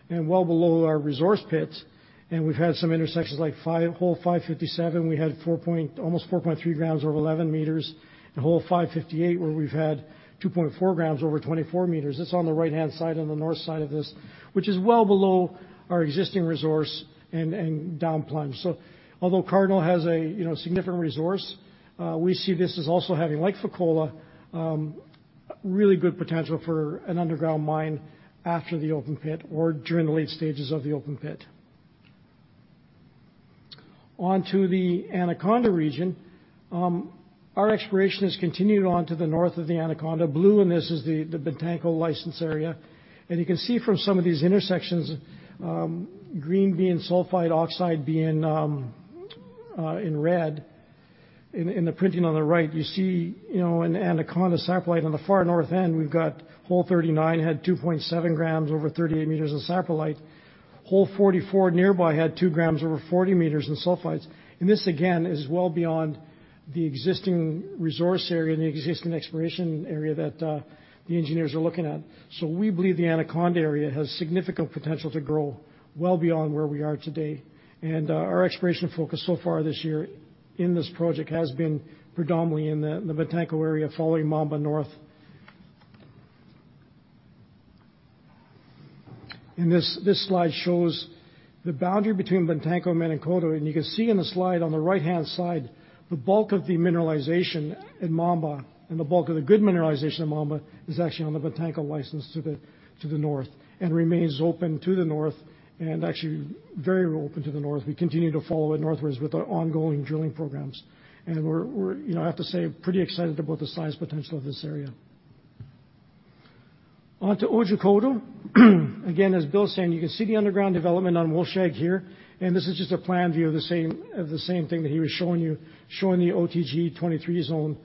Speaker 5: and well below our resource pits, and we've had some intersections like hole 557, we had almost 4.3 g over 11 m, and hole 558, where we've had 2.4 g over 24 m. That's on the right-hand side, on the north side of this, which is well below our existing resource and down plunge. Although Cardinal has a significant resource, we see this as also having, like Fekola, really good potential for an underground mine after the open pit or during the late stages of the open pit. On to the Anaconda region. Our exploration has continued on to the north of the Anaconda. Blue in this is the Bantako license area. You can see from some of these intersections, green being sulfide, oxide being in red. In the printing on the right, you see in Anaconda saprolite on the far north end, we've got hole 39 had 2.7 g over 38 m of saprolite. Hole 44 nearby had 2 g over 40 m in sulfides. This, again, is well beyond the existing resource area and the existing exploration area that the engineers are looking at. We believe the Anaconda area has significant potential to grow well beyond where we are today. Our exploration focus so far this year in this project has been predominantly in the Bantako area following Mamba North. This slide shows the boundary between Bantako and Menankoto, and you can see in the slide on the right-hand side, the bulk of the mineralization in Mamba and the bulk of the good mineralization in Mamba is actually on the Bantako license to the north and remains open to the north and actually very open to the north. We continue to follow it northwards with our ongoing drilling programs. We're, I have to say, pretty excited about the size potential of this area. On to Otjikoto. As Bill was saying, you can see the underground development on Wolfshag here. This is just a plan view of the same thing that he was showing you, showing the OTG-23 zone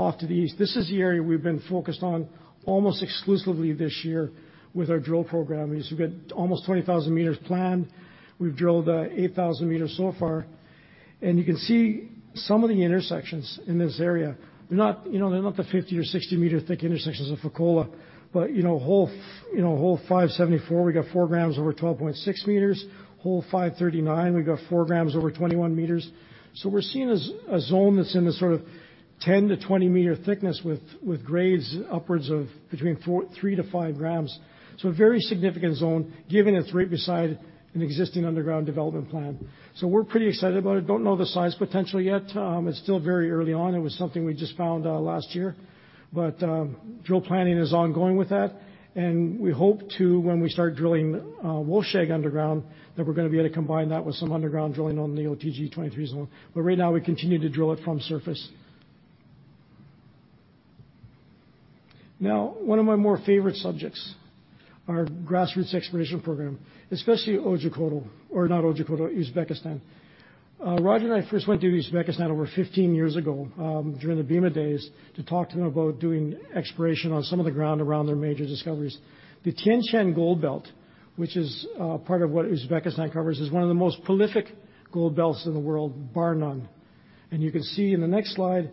Speaker 5: off to the east. This year we've been focused on, almost exclusively this year with our drill program. You can see, we've got almost 20,000 m planned. We've drilled 8,000 m so far. You can see some of the intersections in this area. They're not the 50 m or 60 m thick intersections of Fekola. Hole 574, we got 4 g over 12.6 m. Hole 539, we got 4 g over 21 m. We're seeing a zone that's in the sort of 10 m to 20 m thickness with grades upwards of between 3 g-5 g. A very significant zone, given it's right beside an existing underground development plan. We're pretty excited about it. Don't know the size potential yet. It's still very early on. It was something we just found last year. Drill planning is ongoing with that, and we hope to, when we start drilling Wolfshag underground, that we're going to be able to combine that with some underground drilling on the OTG-23 zone. Right now, we continue to drill it from surface. One of my more favorite subjects, our grassroots exploration program, especially Otjikoto. Not Otjikoto, Uzbekistan. Roger and I first went to Uzbekistan over 15 years ago, during the Bema days, to talk to them about doing exploration on some of the ground around their major discoveries. The Tien Shan Gold Belt, which is part of what Uzbekistan covers, is one of the most prolific gold belts in the world, bar none. You can see in the next slide,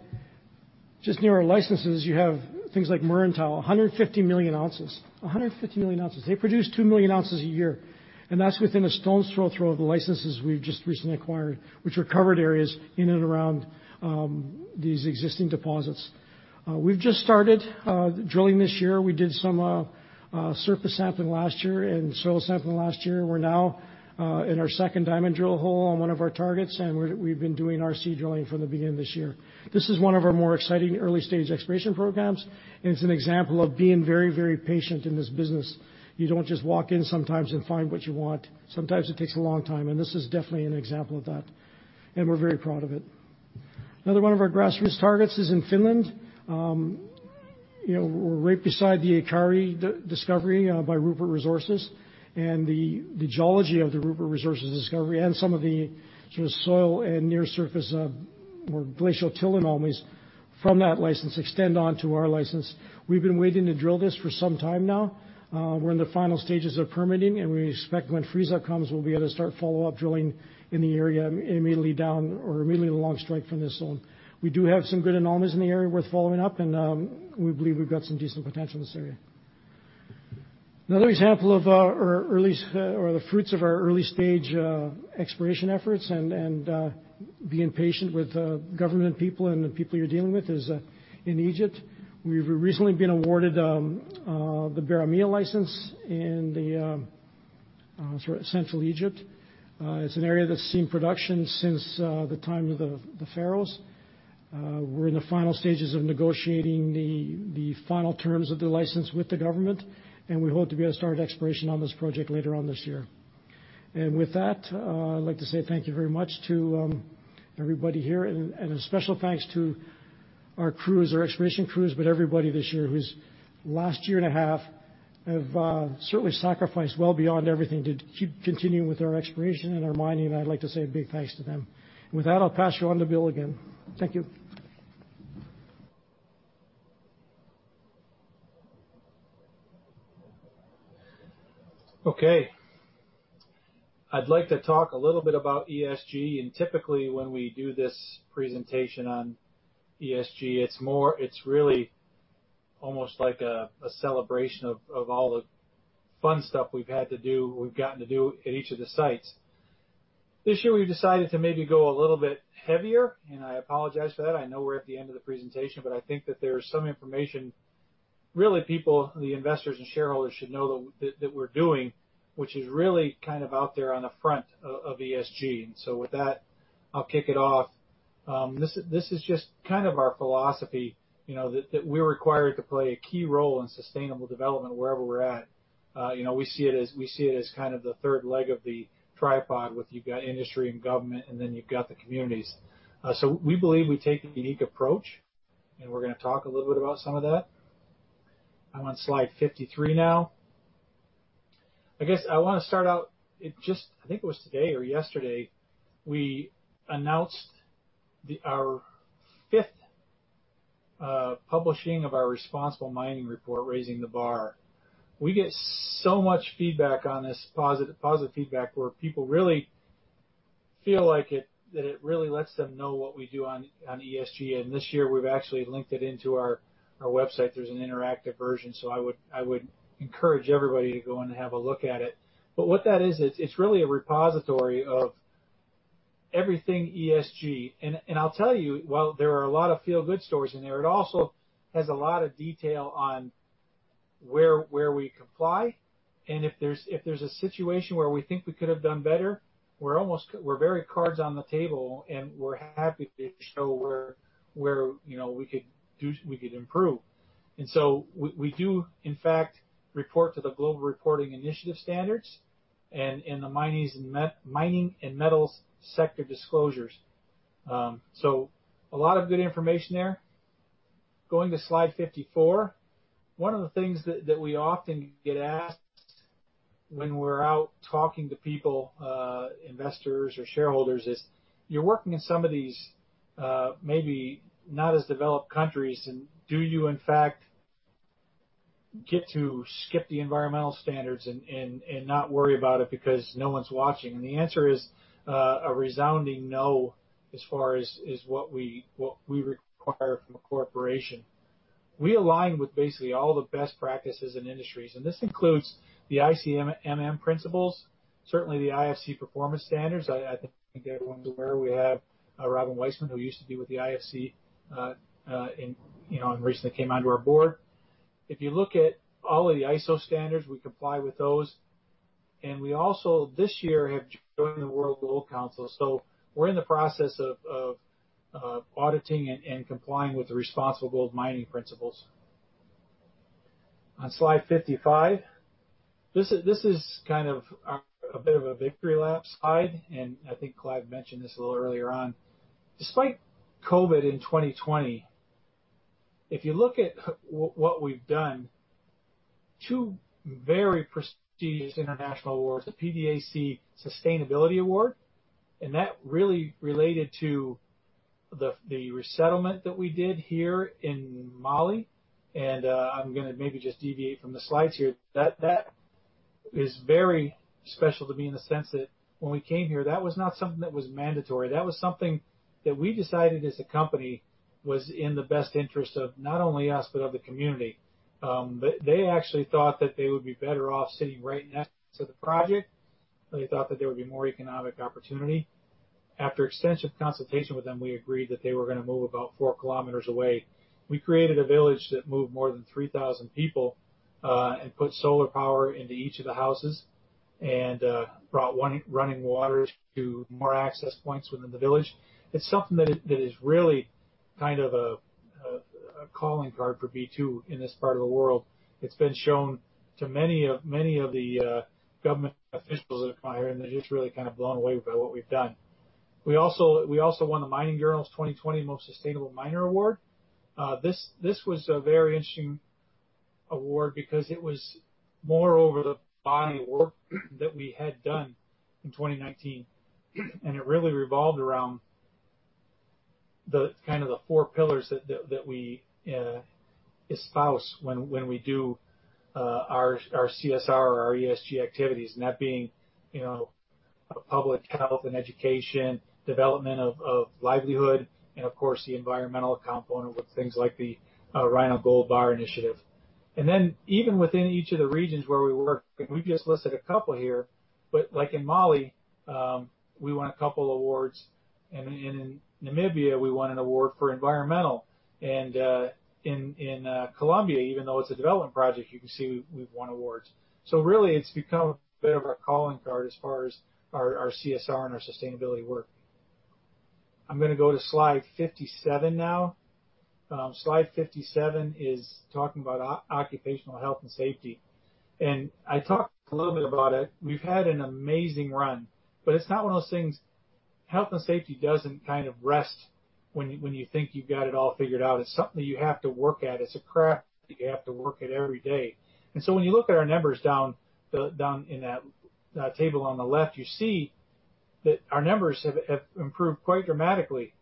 Speaker 5: just near our licenses, you have things like Muruntau, 150 million ounces. 150 million ounces. They produce 2 million ounces a year. That's within a stone's throw of the licenses we've just recently acquired, which are covered areas in and around these existing deposits. We've just started drilling this year. We did some surface sampling last year and soil sampling last year, and we're now in our second diamond drill hole on one of our targets, and we've been doing RC drilling from the beginning of this year. This is one of our more exciting early-stage exploration programs, and it's an example of being very, very patient in this business. You don't just walk in sometimes and find what you want. Sometimes it takes a long time, and this is definitely an example of that, and we're very proud of it. Another one of our grassroots targets is in Finland. We're right beside the Ikkari discovery by Rupert Resources. The geology of the Rupert Resources discovery and some of the soil and near-surface glacial till anomalies from that license extend onto our license. We've been waiting to drill this for some time now. We're in the final stages of permitting, and we expect when freeze-up comes, we'll be able to start follow-up drilling in the area immediately down or immediately along strike from this zone. We do have some good anomalies in the area worth following up, and we believe we've got some decent potential in this area. Another example of our or the fruits of our early-stage exploration efforts and being patient with government people and the people you're dealing with is in Egypt. We've recently been awarded the Barameya license in Central Egypt. It's an area that's seen production since the time of the Pharaohs. We're in the final stages of negotiating the final terms of the license with the government, we hope to be able to start exploration on this project later on this year. With that, I'd like to say thank you very much to everybody here, a special thanks to our crews, our exploration crews, but everybody this year who's, last year and a half, have certainly sacrificed well beyond everything to keep continuing with our exploration and our mining, I'd like to say a big thanks to them. With that, I'll pass you on to Bill again. Thank you.
Speaker 4: I'd like to talk a little bit about ESG. Typically, when we do this presentation on ESG, it's really almost like a celebration of all the fun stuff we've had to do, we've gotten to do at each of the sites. This year, we decided to maybe go a little bit heavier. I apologize for that. I know we're at the end of the presentation. I think that there is some information really people, the investors and shareholders should know that we're doing, which is really out there on the front of ESG. With that, I'll kick it off. This is just our philosophy, that we're required to play a key role in sustainable development wherever we're at. We see it as the third leg of the tripod with you've got industry and government, you've got the communities. We believe we take a unique approach, and we're going to talk a little bit about some of that. I'm on slide 53 now. I guess I want to start out, it just I think it was today or yesterday, we announced our fifth publishing of our Responsible Mining Report, Raising the Bar. We get so much feedback on this, positive feedback where people really feel like it, that it really lets them know what we do on ESG. This year, we've actually linked it into our website. There's an interactive version. I would encourage everybody to go in and have a look at it. What that is, it's really a repository of everything ESG. I'll tell you, while there are a lot of feel-good stories in there, it also has a lot of detail on where we comply, and if there's a situation where we think we could have done better, we're very cards on the table, and we're happy to show where we could improve. So we do, in fact, report to the Global Reporting Initiative Standards and the Mining and Metals Sector Disclosures. A lot of good information there. Going to slide 54. One of the things that we often get asked when we're out talking to people, investors or shareholders, is, "You're working in some of these maybe not as developed countries, and do you, in fact, get to skip the environmental standards and not worry about it because no one's watching?" The answer is a resounding no as far as what we require from a corporation. We align with basically all the best practices in industries, this includes the ICMM principles, certainly the IFC Performance Standards. I think everyone's aware we have Robin Weisman, who used to be with the IFC and recently came onto our board. If you look at all of the ISO standards, we comply with those. We also, this year, have joined the World Gold Council. We're in the process of auditing and complying with the Responsible Gold Mining Principles. On slide 55, this is a bit of a victory lap slide, and I think Clive mentioned this a little earlier on. Despite COVID in 2020, if you look at what we've done, two very prestigious international awards, the PDAC Sustainability Award, and that really related to the resettlement that we did here in Mali. I'm going to maybe just deviate from the slides here. That is very special to me in the sense that when we came here, that was not something that was mandatory. That was something that we decided as a company was in the best interest of not only us but of the community. They actually thought that they would be better off sitting right next to the project. They thought that there would be more economic opportunity. After extensive consultation with them, we agreed that they were going to move about 4 km away. We created a village that moved more than 3,000 people and put solar power into each of the houses and brought running water to more access points within the village. It's something that is really a calling card for B2 in this part of the world. It's been shown to many of the government officials that have come out here, and they're just really blown away by what we've done. We also won The Mining Journal's 2020 Most Sustainable Miner Award. This was a very interesting award because it was more over the body of work that we had done in 2019. It really revolved around the four pillars that we espouse when we do our CSR or our ESG activities. That being public health and education, development of livelihood, and of course, the environmental component with things like the Rhino Gold Bar Initiative. Even within each of the regions where we work, and we've just listed a couple here, but like in Mali, we won a couple awards, and in Namibia, we won an award for environmental, and in Colombia, even though it's a development project, you can see we've won awards. Really, it's become a bit of a calling card as far as our CSR and our sustainability work. I'm going to go to slide 57 now. Slide 57 is talking about occupational health and safety. I talked a little bit about it. We've had an amazing run, but it's not one of those things Health and safety doesn't rest when you think you've got it all figured out. It's something you have to work at. It's a craft that you have to work at every day. When you look at our numbers down in that table on the left, you see that our numbers have improved quite dramatically.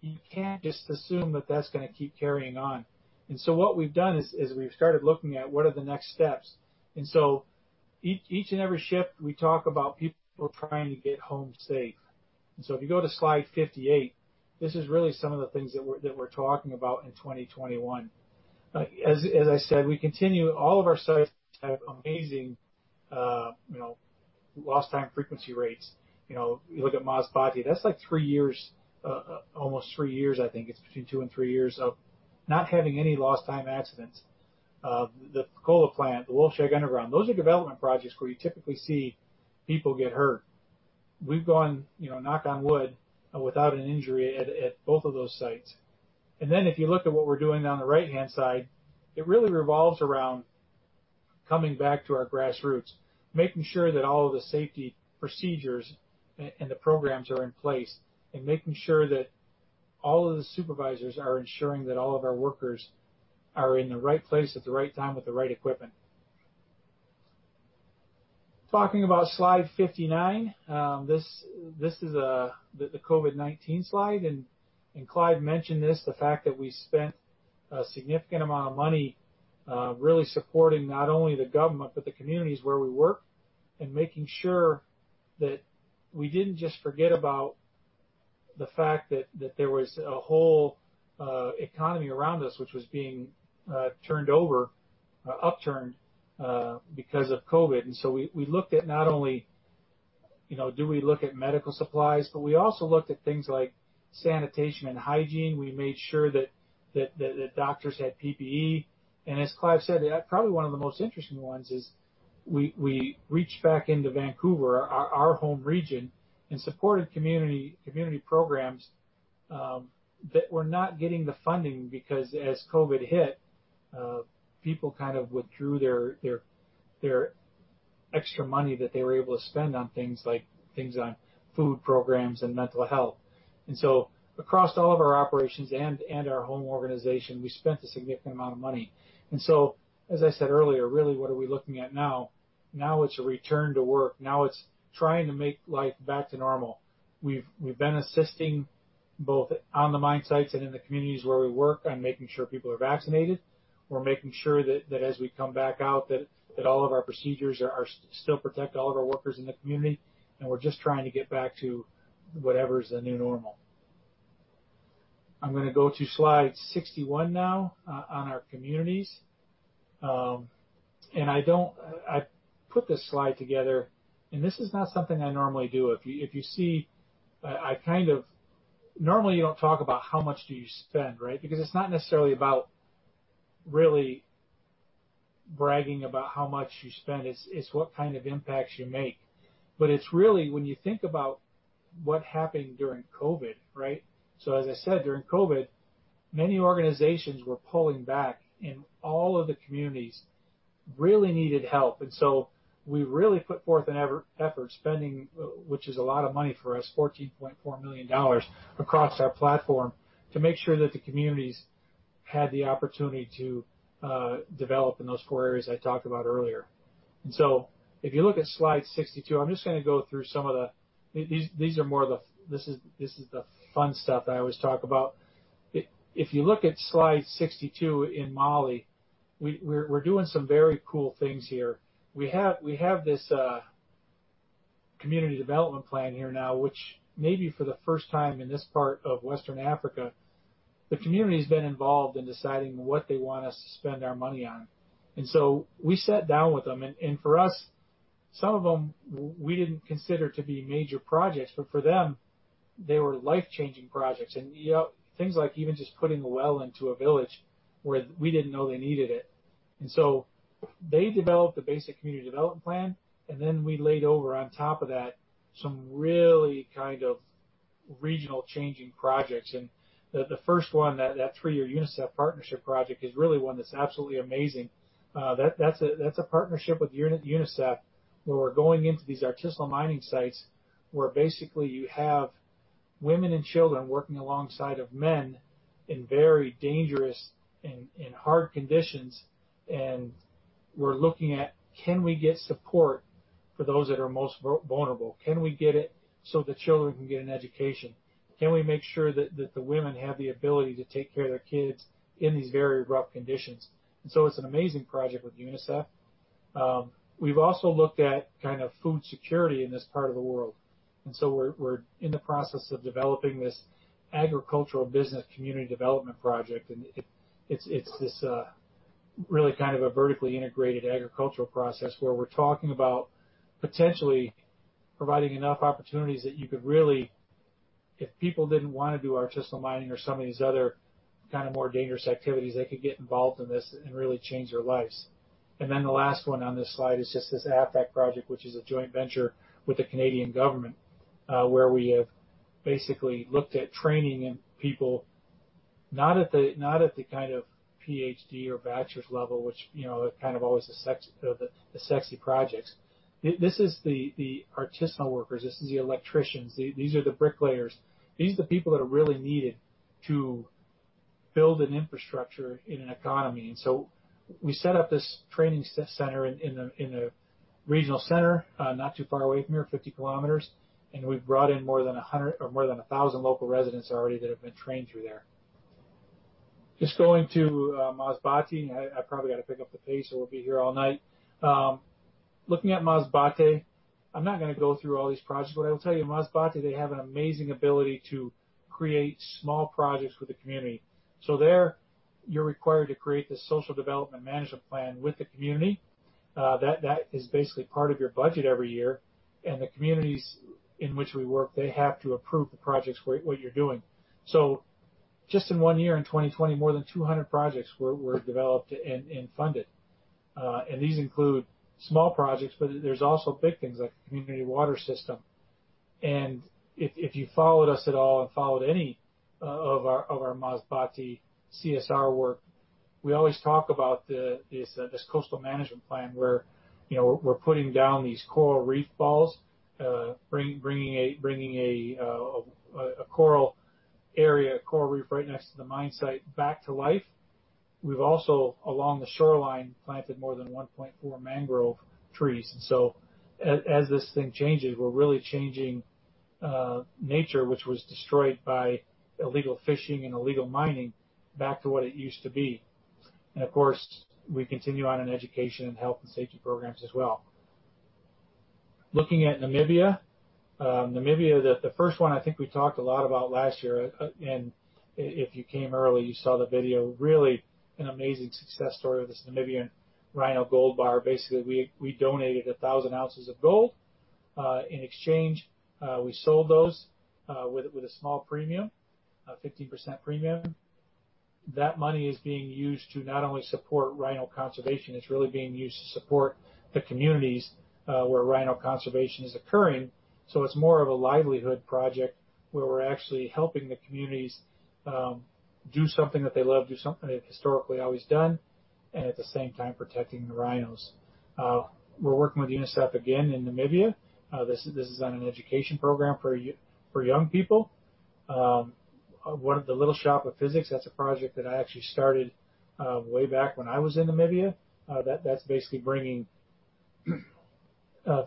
Speaker 4: You can't just assume that that's going to keep carrying on. What we've done is we've started looking at what are the next steps. Each and every shift, we talk about people trying to get home safe. If you go to slide 58, this is really some of the things that we're talking about in 2021. As I said, we continue, all of our sites have amazing lost time frequency rates. You look at Masbate, that's like three years, almost three years, I think it's between two and three years of not having any lost time accidents. The Fekola plant, the Wolfshag Underground, those are development projects where you typically see people get hurt. We've gone, knock on wood, without an injury at both of those sites. If you look at what we're doing on the right-hand side, it really revolves around coming back to our grassroots, making sure that all of the safety procedures and the programs are in place, making sure that all of the supervisors are ensuring that all of our workers are in the right place at the right time with the right equipment. Talking about slide 59. This is the COVID-19 slide. Clive mentioned this, the fact that we spent a significant amount of money really supporting not only the government, but the communities where we work, making sure that we didn't just forget about the fact that there was a whole economy around us, which was being upturned because of COVID. We looked at not only, do we look at medical supplies, but we also looked at things like sanitation and hygiene. We made sure that the doctors had PPE. As Clive said, probably one of the most interesting ones is we reached back into Vancouver, our home region, and supported community programs that were not getting the funding because as COVID hit, people kind of withdrew their extra money that they were able to spend on things like food programs and mental health. Across all of our operations and our home organization, we spent a significant amount of money. As I said earlier, really, what are we looking at now? Now it's a return to work. Now it's trying to make life back to normal. We've been assisting both on the mine sites and in the communities where we work on making sure people are vaccinated. We're making sure that as we come back out, that all of our procedures still protect all of our workers in the community. We're just trying to get back to whatever's the new normal. I'm going to go to slide 61 now on our communities. I put this slide together, and this is not something I normally do. Normally, you don't talk about how much do you spend, right? Because it's not necessarily about really bragging about how much you spend. It's what kind of impacts you make. It's really when you think about what happened during COVID, right? As I said, during COVID, many organizations were pulling back, and all of the communities really needed help. We really put forth an effort spending, which is a lot of money for us, $14.4 million across our platform to make sure that the communities had the opportunity to develop in those four areas I talked about earlier. If you look at slide 62, I'm just going to go through This is the fun stuff that I always talk about. If you look at slide 62 in Mali, we're doing some very cool things here. We have this community development plan here now, which maybe for the first time in this part of western Africa. The community's been involved in deciding what they want us to spend our money on. We sat down with them, and for us, some of them we didn't consider to be major projects, but for them, they were life-changing projects. Things like even just putting a well into a village where we didn't know they needed it. They developed the basic community development plan, then we laid over on top of that some really regional changing projects. The first one, that three-year UNICEF partnership project is really one that's absolutely amazing. That's a partnership with UNICEF, where we're going into these artisanal mining sites, where basically you have women and children working alongside of men in very dangerous and hard conditions, and we're looking at, can we get support for those that are most vulnerable? Can we get it so the children can get an education? Can we make sure that the women have the ability to take care of their kids in these very rough conditions? It's an amazing project with UNICEF. We've also looked at food security in this part of the world, and so we're in the process of developing this agricultural business community development project, and it's this really kind of a vertically integrated agricultural process where we're talking about potentially providing enough opportunities that you could really, if people didn't want to do artisanal mining or some of these other more dangerous activities, they could get involved in this and really change their lives. The last one on this slide is just this AFAC project, which is a joint venture with the Canadian government, where we have basically looked at training people, not at the kind of PhD or bachelor's level, which kind of always the sexy projects. This is the artisanal workers, this is the electricians, these are the bricklayers. These are the people that are really needed to build an infrastructure in an economy. We set up this training center in the regional center, not too far away from here, 50 km, and we've brought in more than 1,000 local residents already that have been trained through there. Just going to Masbate. I probably got to pick up the pace or we'll be here all night. Looking at Masbate, I'm not going to go through all these projects, but I will tell you, Masbate, they have an amazing ability to create small projects with the community. There, you're required to create this social development management plan with the community. That is basically part of your budget every year. The communities in which we work, they have to approve the projects, what you're doing. Just in one year, in 2020, more than 200 projects were developed and funded. These include small projects, but there's also big things like community water system. If you followed us at all and followed any of our Masbate CSR work, we always talk about this coastal management plan where we're putting down these coral reef balls, bringing a coral area, a coral reef right next to the mine site back to life. We've also, along the shoreline, planted more than 1.4 mangrove trees. As this thing changes, we're really changing nature, which was destroyed by illegal fishing and illegal mining back to what it used to be. We continue on in education and health and safety programs as well. Looking at Namibia. Namibia, the first one I think we talked a lot about last year, and if you came early, you saw the video. Really, an amazing success story of this Namibian Rhino Gold Bar. Basically, we donated 1,000 ounces of gold. In exchange, we sold those with a small premium, a 15% premium. That money is being used to not only support rhino conservation, it's really being used to support the communities where rhino conservation is occurring. So it's more of a livelihood project where we're actually helping the communities do something that they love, do something they've historically always done, and at the same time, protecting the rhinos. We're working with UNICEF again in Namibia. This is on an education program for young people. The Little Shop of Physics, that's a project that I actually started way back when I was in Namibia. That's basically bringing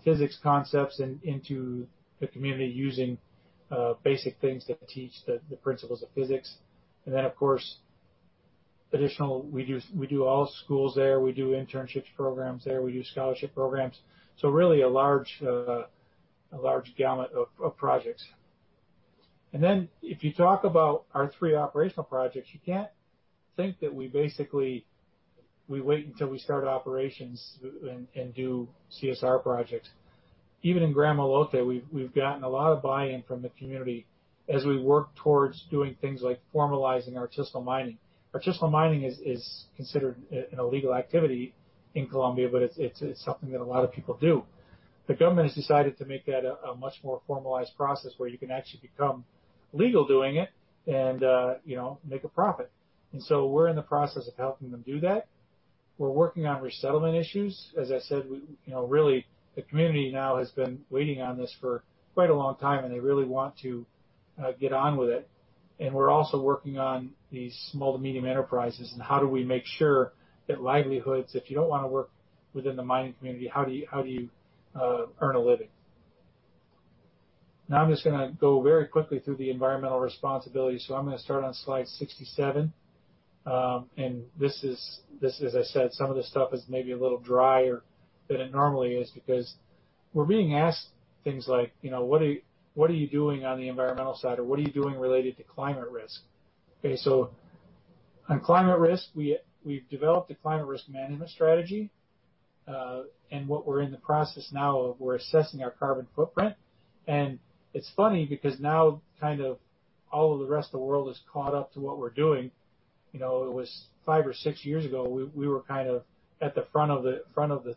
Speaker 4: physics concepts into the community using basic things to teach the principles of physics. Of course, additional, we do all schools there, we do internships programs there, we do scholarship programs. Really a large gamut of projects. If you talk about our three operational projects, you can't think that we basically wait until we start operations and do CSR projects. Even in Gramalote, we've gotten a lot of buy-in from the community as we work towards doing things like formalizing artisanal mining. Artisanal mining is considered an illegal activity in Colombia, but it's something that a lot of people do. The government has decided to make that a much more formalized process where you can actually become legal doing it and make a profit. We're in the process of helping them do that. We're working on resettlement issues. As I said, really, the community now has been waiting on this for quite a long time, and they really want to get on with it. We're also working on these small to medium enterprises and how do we make sure that livelihoods, if you don't want to work within the mining community, how do you earn a living? Now, I'm just going to go very quickly through the environmental responsibility. I'm going to start on slide 67. This is, as I said, some of this stuff is maybe a little drier than it normally is because we're being asked things like, "What are you doing on the environmental side?" Or, "What are you doing related to climate risk?" Okay, on climate risk, we've developed a climate risk management strategy. What we're in the process now of, we're assessing our carbon footprint. It's funny because now, all of the rest of the world has caught up to what we're doing. It was five or six years ago, we were at the front of the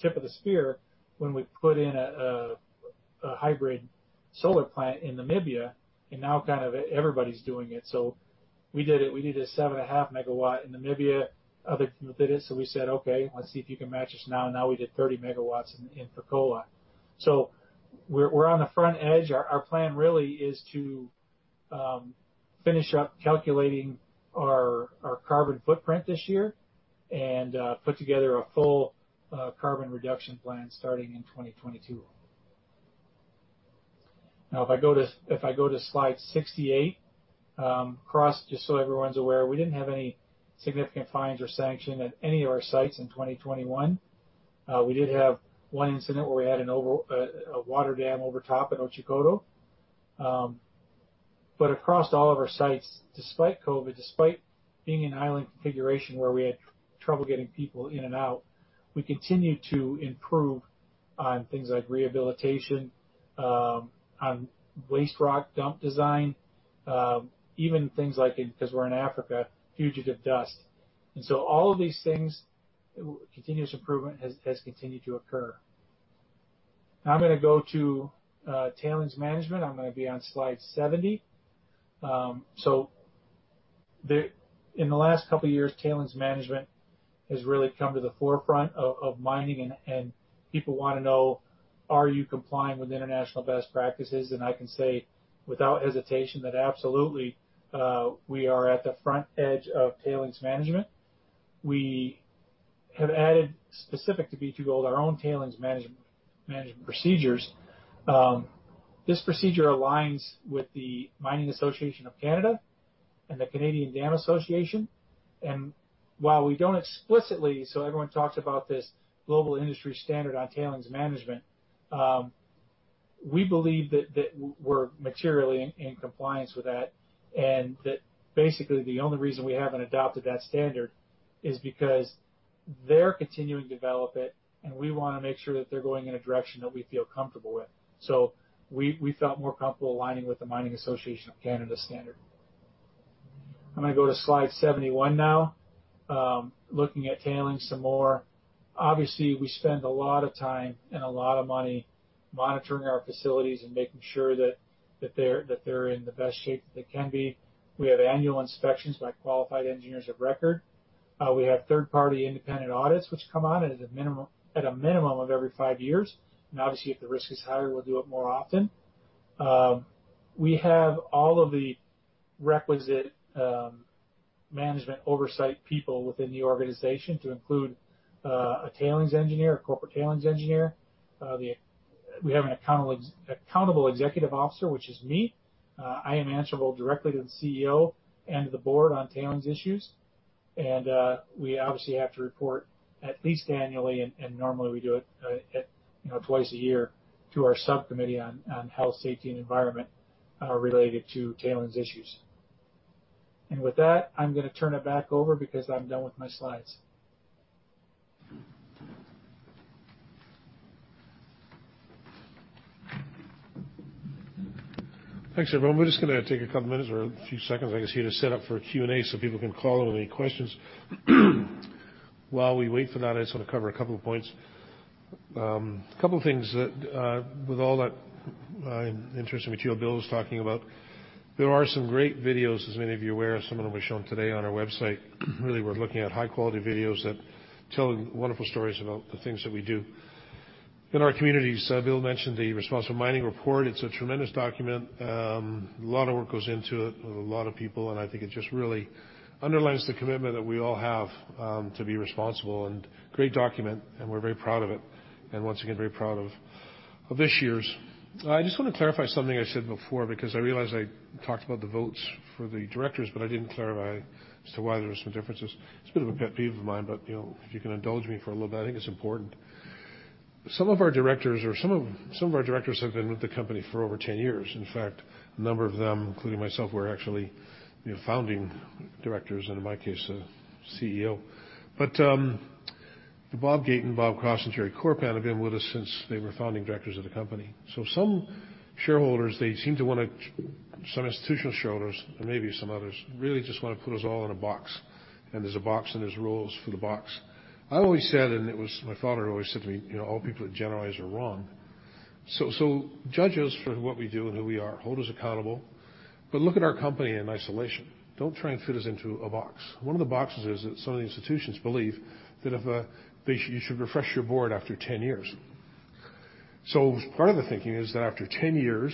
Speaker 4: tip of the spear when we put in a hybrid solar plant in Namibia. Now everybody's doing it. We did it. We did a 7.5 MW in Namibia, other people did it. We said, "Okay, let's see if you can match us now." We did 30 MW in Fekola. We're on the front edge. Our plan really is to finish up calculating our carbon footprint this year and put together a full carbon reduction plan starting in 2022. If I go to slide 68. Across, just so everyone's aware, we didn't have any significant fines or sanction at any of our sites in 2021. We did have one incident where we had a water dam over top at Otjikoto. Across all of our sites, despite COVID, despite being an island configuration where we had trouble getting people in and out, we continued to improve on things like rehabilitation, on waste rock dump design, even things like, because we're in Africa, fugitive dust. All of these things, continuous improvement has continued to occur. Now I'm going to go to tailings management. I'm going to be on slide 70. In the last couple of years, tailings management has really come to the forefront of mining, and people want to know, are you complying with international best practices? I can say without hesitation that absolutely, we are at the front edge of tailings management. We have added specific to B2Gold, our own tailings management procedures. This procedure aligns with the Mining Association of Canada and the Canadian Dam Association. While we don't explicitly, so everyone talks about this Global Industry Standard on Tailings Management, we believe that we're materially in compliance with that and that basically the only reason we haven't adopted that standard is because they're continuing to develop it, and we want to make sure that they're going in a direction that we feel comfortable with. We felt more comfortable aligning with the Mining Association of Canada standard. I'm going to go to slide 71 now. Looking at tailings some more. Obviously, we spend a lot of time and a lot of money monitoring our facilities and making sure that they're in the best shape that they can be. We have annual inspections by qualified engineers of record. We have third-party independent audits which come on at a minimum of every five years. Obviously, if the risk is higher, we'll do it more often. We have all of the requisite management oversight people within the organization to include a tailings engineer, a corporate tailings engineer, the. We have an accountable executive officer, which is me. I am answerable directly to the CEO and the board on tailings issues. We obviously have to report at least annually, and normally we do it twice a year to our subcommittee on health, safety, and environment related to tailings issues. With that, I'm going to turn it back over because I'm done with my slides.
Speaker 1: Thanks, everyone. We're just going to take a couple minutes or a few seconds, I can see, to set up for Q&A so people can follow with any questions. While we wait for that, I just want to cover a couple of points. A couple things that with all that interest with you and Bill was talking about, there are some great videos, as many of you are aware, some of them will be shown today on our website. Really, we're looking at high-quality videos that tell wonderful stories about the things that we do in our communities. Bill mentioned the Responsible Mining Report. It's a tremendous document. A lot of work goes into it with a lot of people, and I think it just really underlines the commitment that we all have to be responsible and great document, and we're very proud of it. Once again, very proud of this year's. I just want to clarify something I said before, because I realize I talked about the votes for the directors, but I didn't clarify as to why there were some differences. It's a bit of a pet peeve of mine, but if you can indulge me for a little bit, I think it's important. Some of our directors have been with the company for over 10 years. A number of them, including myself, were actually founding directors, and in my case, a CEO. Bob Gayton and Bob Cross and Jerry Korpan have been with us since they were founding directors of the company. Some shareholders, some institutional shareholders, and maybe some others, really just want to put us all in a box, and there's a box and there's rules for the box. I always said, and it was my father who always said to me, "All people that generalize are wrong." Judge us for what we do and who we are, hold us accountable, look at our company in isolation. Don't try and fit us into a box. One of the boxes is that some of the institutions believe that you should refresh your board after 10 years. Part of the thinking is that after 10 years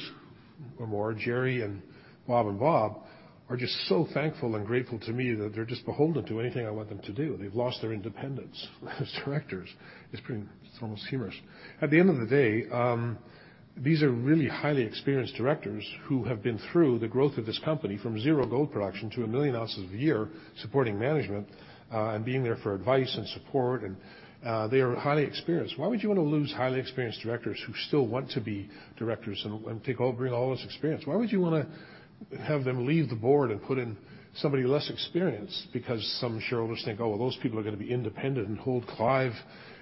Speaker 1: or more, Jerry and Robert and Bob are just so thankful and grateful to me that they're just beholden to anything I want them to do. They've lost their independence as directors. It's almost humorous. At the end of the day, these are really highly experienced directors who have been through the growth of this company from zero gold production to 1 million ounces a year, supporting management, and being there for advice and support, and they are highly experienced. Why would you want to lose highly experienced directors who still want to be directors and bring all this experience? Why would you want to have them leave the board and put in somebody less experienced because some shareholders think, "Oh, well, those people are going to be independent and hold Clive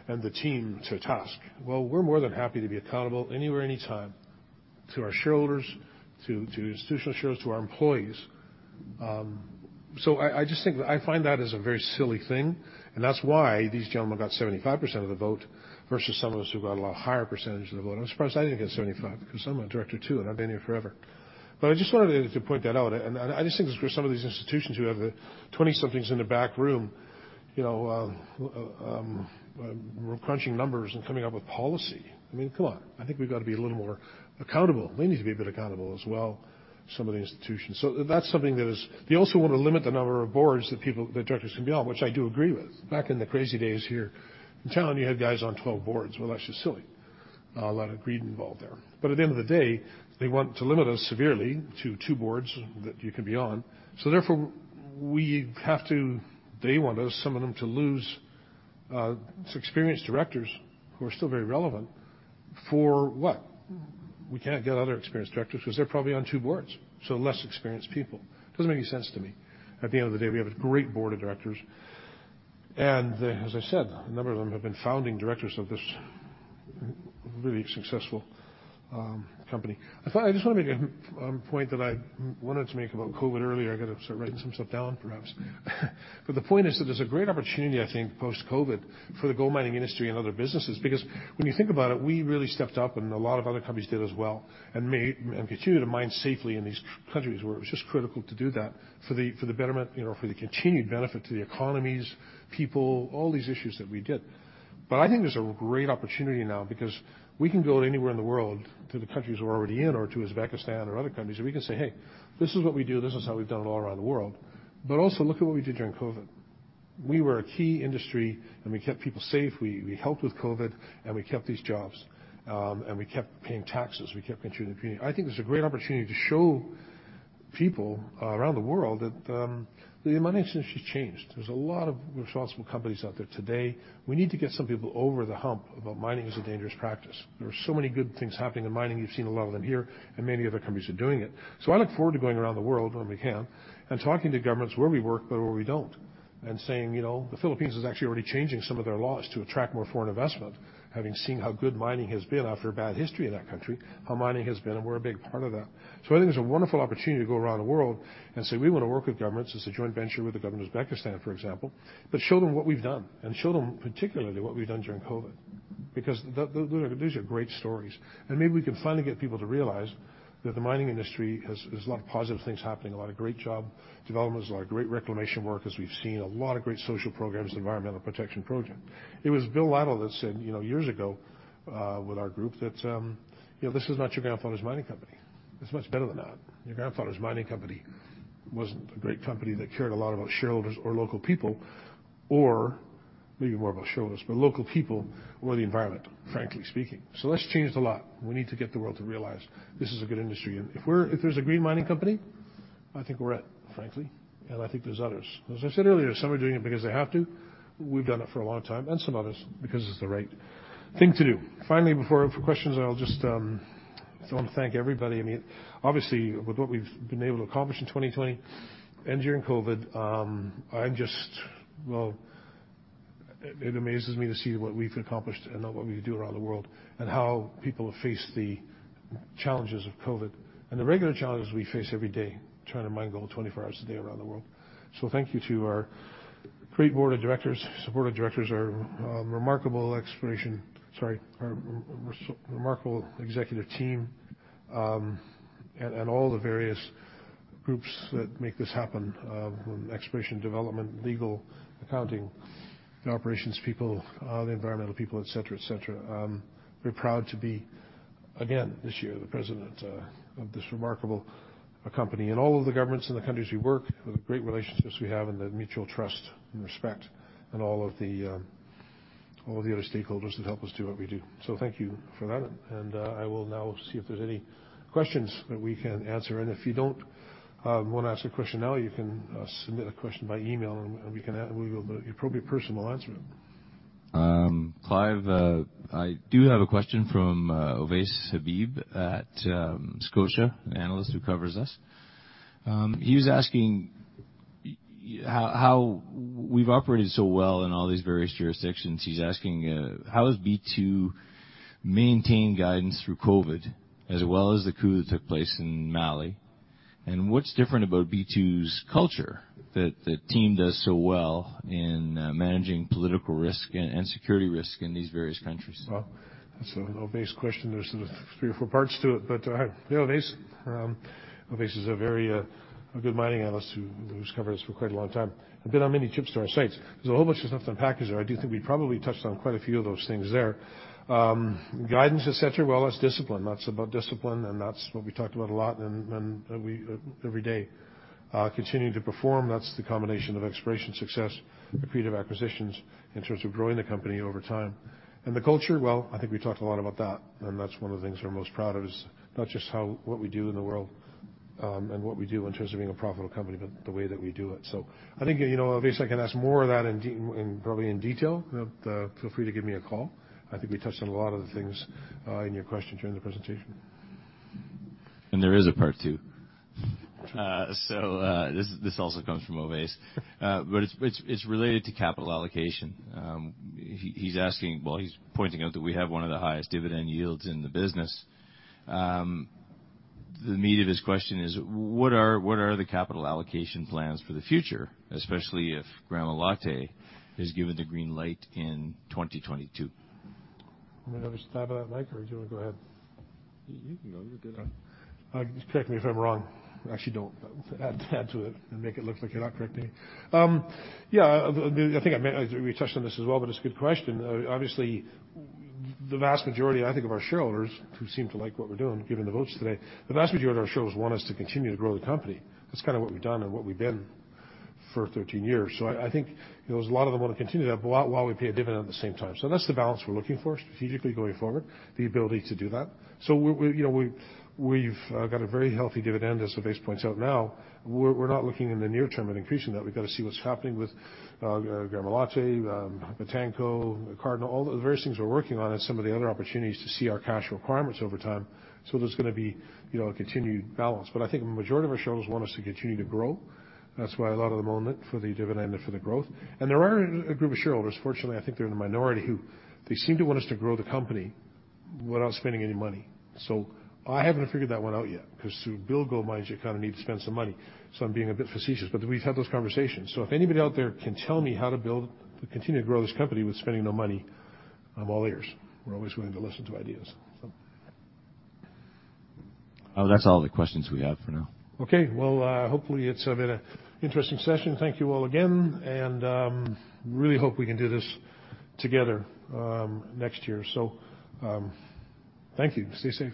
Speaker 1: and the team to task." Well, we're more than happy to be accountable any day, anytime to our shareholders, to institutional shareholders, to our employees. I find that as a very silly thing, and that's why these gentlemen got 75% of the vote versus some of us who got a lot higher percentage of the vote. I'm surprised I didn't get 75% because I'm a director, too, and I've been here forever. I just wanted to point that out, and I just think for some of these institutions who have 20-somethings in the back room who are crunching numbers and coming up with policy. I mean, come on. I think we've got to be a little more accountable. They need to be a bit accountable as well, some of the institutions. They also want to limit the number of boards that directors can be on, which I do agree with. Back in the crazy days here in town, you had guys on 12 boards. That's just silly. A lot of greed involved there. At the end of the day, they want to limit us severely to two boards that you can be on. Therefore, they want some of them to lose experienced directors who are still very relevant. For what? We can't get other experienced directors because they're probably on two boards. Less experienced people. Doesn't make any sense to me. At the end of the day, we have a great board of directors, and as I said, a number of them have been founding directors of this really successful company. I just want to make a point that I wanted to make about COVID earlier. I've got to start writing some stuff down, perhaps. The point is that there's a great opportunity, I think, post-COVID for the gold mining industry and other businesses because when you think about it, we really stepped up and a lot of other companies did as well, and continue to mine safely in these countries where it's just critical to do that for the continued benefit to the economies, people, all these issues that we did. I think there's a great opportunity now because we can go anywhere in the world to the countries we're already in or to Uzbekistan or other countries. We can say, "Hey, this is what we do. This is how we've done it all around the world." Also look at what we did during COVID. We were a key industry, and we kept people safe. We helped with COVID, and we kept these jobs, and we kept paying taxes. We kept contributing. I think there's a great opportunity to show people around the world that the mining industry's changed. There's a lot of responsible companies out there today. We need to get some people over the hump about mining as a dangerous practice. There are so many good things happening in mining. You've seen a lot of them here, and many other companies are doing it. I look forward to going around the world when we can and talking to governments where we work but where we don't, and saying the Philippines is actually already changing some of their laws to attract more foreign investment, having seen how good mining has been after a bad history in that country, how mining has been, and we're a big part of that. I think there's a wonderful opportunity to go around the world and say we want to work with governments. It's a joint venture with the government of Pakistan, for example, but show them what we've done and show them particularly what we've done during COVID, because these are great stories. Maybe we can finally get people to realize that the mining industry has a lot of positive things happening, a lot of great job developments, a lot of great reclamation work, as we've seen, a lot of great social programs, environmental protection projects. It was Bill Lytle that said years ago with our group that this is not your grandfather's mining company. It's much better than that. Your grandfather's mining company wasn't a great company that cared a lot about shareholders or local people or the environment, frankly speaking. Let's change it a lot. We need to get the world to realize this is a good industry. If there's a green mining company, I think we're it, frankly, and I think there's others. As I said earlier, some are doing it because they have to. We've done it for a long time, and some others because it's the right thing to do. Finally, before questions, I just want to thank everybody. Obviously, with what we've been able to accomplish in 2020 and during COVID, it amazes me to see what we've accomplished and what we do around the world, and how people have faced the challenges of COVID and the regular challenges we face every day trying to mine gold 24 hours a day around the world. Thank you to our great board of directors, our remarkable executive team, and all the various groups that make this happen, from exploration, development, legal, accounting, the operations people, the environmental people, et cetera. Very proud to be, again, this year, the president of this remarkable company. All of the governments in the countries we work, the great relationships we have and the mutual trust and respect, and all of the other stakeholders that help us do what we do. Thank you for that, and I will now see if there's any questions that we can answer. If you don't want to ask a question now, you can submit a question by email and the appropriate person will answer it.
Speaker 6: Clive, I do have a question from Ovais Habib at Scotiabank, an analyst who covers us. He was asking how we've operated so well in all these various jurisdictions. He's asking, how has B2 maintained guidance through COVID as well as the coup that took place in Mali? What's different about B2's culture that the team does so well in managing political risk and security risk in these various countries?
Speaker 1: Well, that's an Ovais question. There's three or four parts to it. Ovais is a very good mining analyst who's covered us for quite a long time, and been on many trips to our sites. There's a whole bunch of stuff to unpack there. I do think we probably touched on quite a few of those things there. Guidance, et cetera, well, that's discipline. That's about discipline, and that's what we talked about a lot, and every day continuing to perform. That's the combination of exploration success, accretive acquisitions in terms of growing the company over time. The culture, well, I think we talked a lot about that, and that's one of the things we're most proud of, is not just what we do in the world and what we do in terms of being a profitable company, but the way that we do it. I think, Ovais, I can answer more of that probably in detail. Feel free to give me a call. I think we touched on a lot of the things in your question during the presentation.
Speaker 6: There is a part two. This also comes from Ovais, but it's related to capital allocation. He's asking, well, he's pointing out that we have one of the highest dividend yields in the business. The meat of his question is, what are the capital allocation plans for the future, especially if Gramalote is given the green light in 2022?
Speaker 1: You want me to have a stab at that, Mike, or do you want to go ahead?
Speaker 3: You can go. You're good.
Speaker 1: Okay. Just correct me if I'm wrong. Actually, don't add to it and make it look like you're not correcting me. I think we touched on this as well, but it's a good question. Obviously, the vast majority, I think, of our shareholders, who seem to like what we're doing, given the votes today, the vast majority of our shareholders want us to continue to grow the company. That's kind of what we've done and what we've been for 13 years. I think there's a lot of them want to continue that, but while we pay a dividend at the same time. That's the balance we're looking for strategically going forward, the ability to do that. We've got a very healthy dividend, as Ovais points out now. We're not looking in the near term at increasing that. We've got to see what's happening with Gramalote, Bantako, Cardinal, all the various things we're working on and some of the other opportunities to see our cash requirements over time. There's going to be a continued balance. I think the majority of our shareholders want us to continue to grow. That's why a lot of them own it, for the dividend and for the growth. There are a group of shareholders, fortunately, I think they're the minority, who they seem to want us to grow the company without spending any money. I haven't figured that one out yet, because to build gold mines, you need to spend some money. I'm being a bit facetious, but we've had those conversations. If anybody out there can tell me how to continue to grow this company with spending no money, I'm all ears. We're always willing to listen to ideas.
Speaker 6: That's all the questions we have for now.
Speaker 1: Okay. Well, hopefully, it's been an interesting session. Thank you all again. Really hope we can do this together next year. Thank you. Stay safe.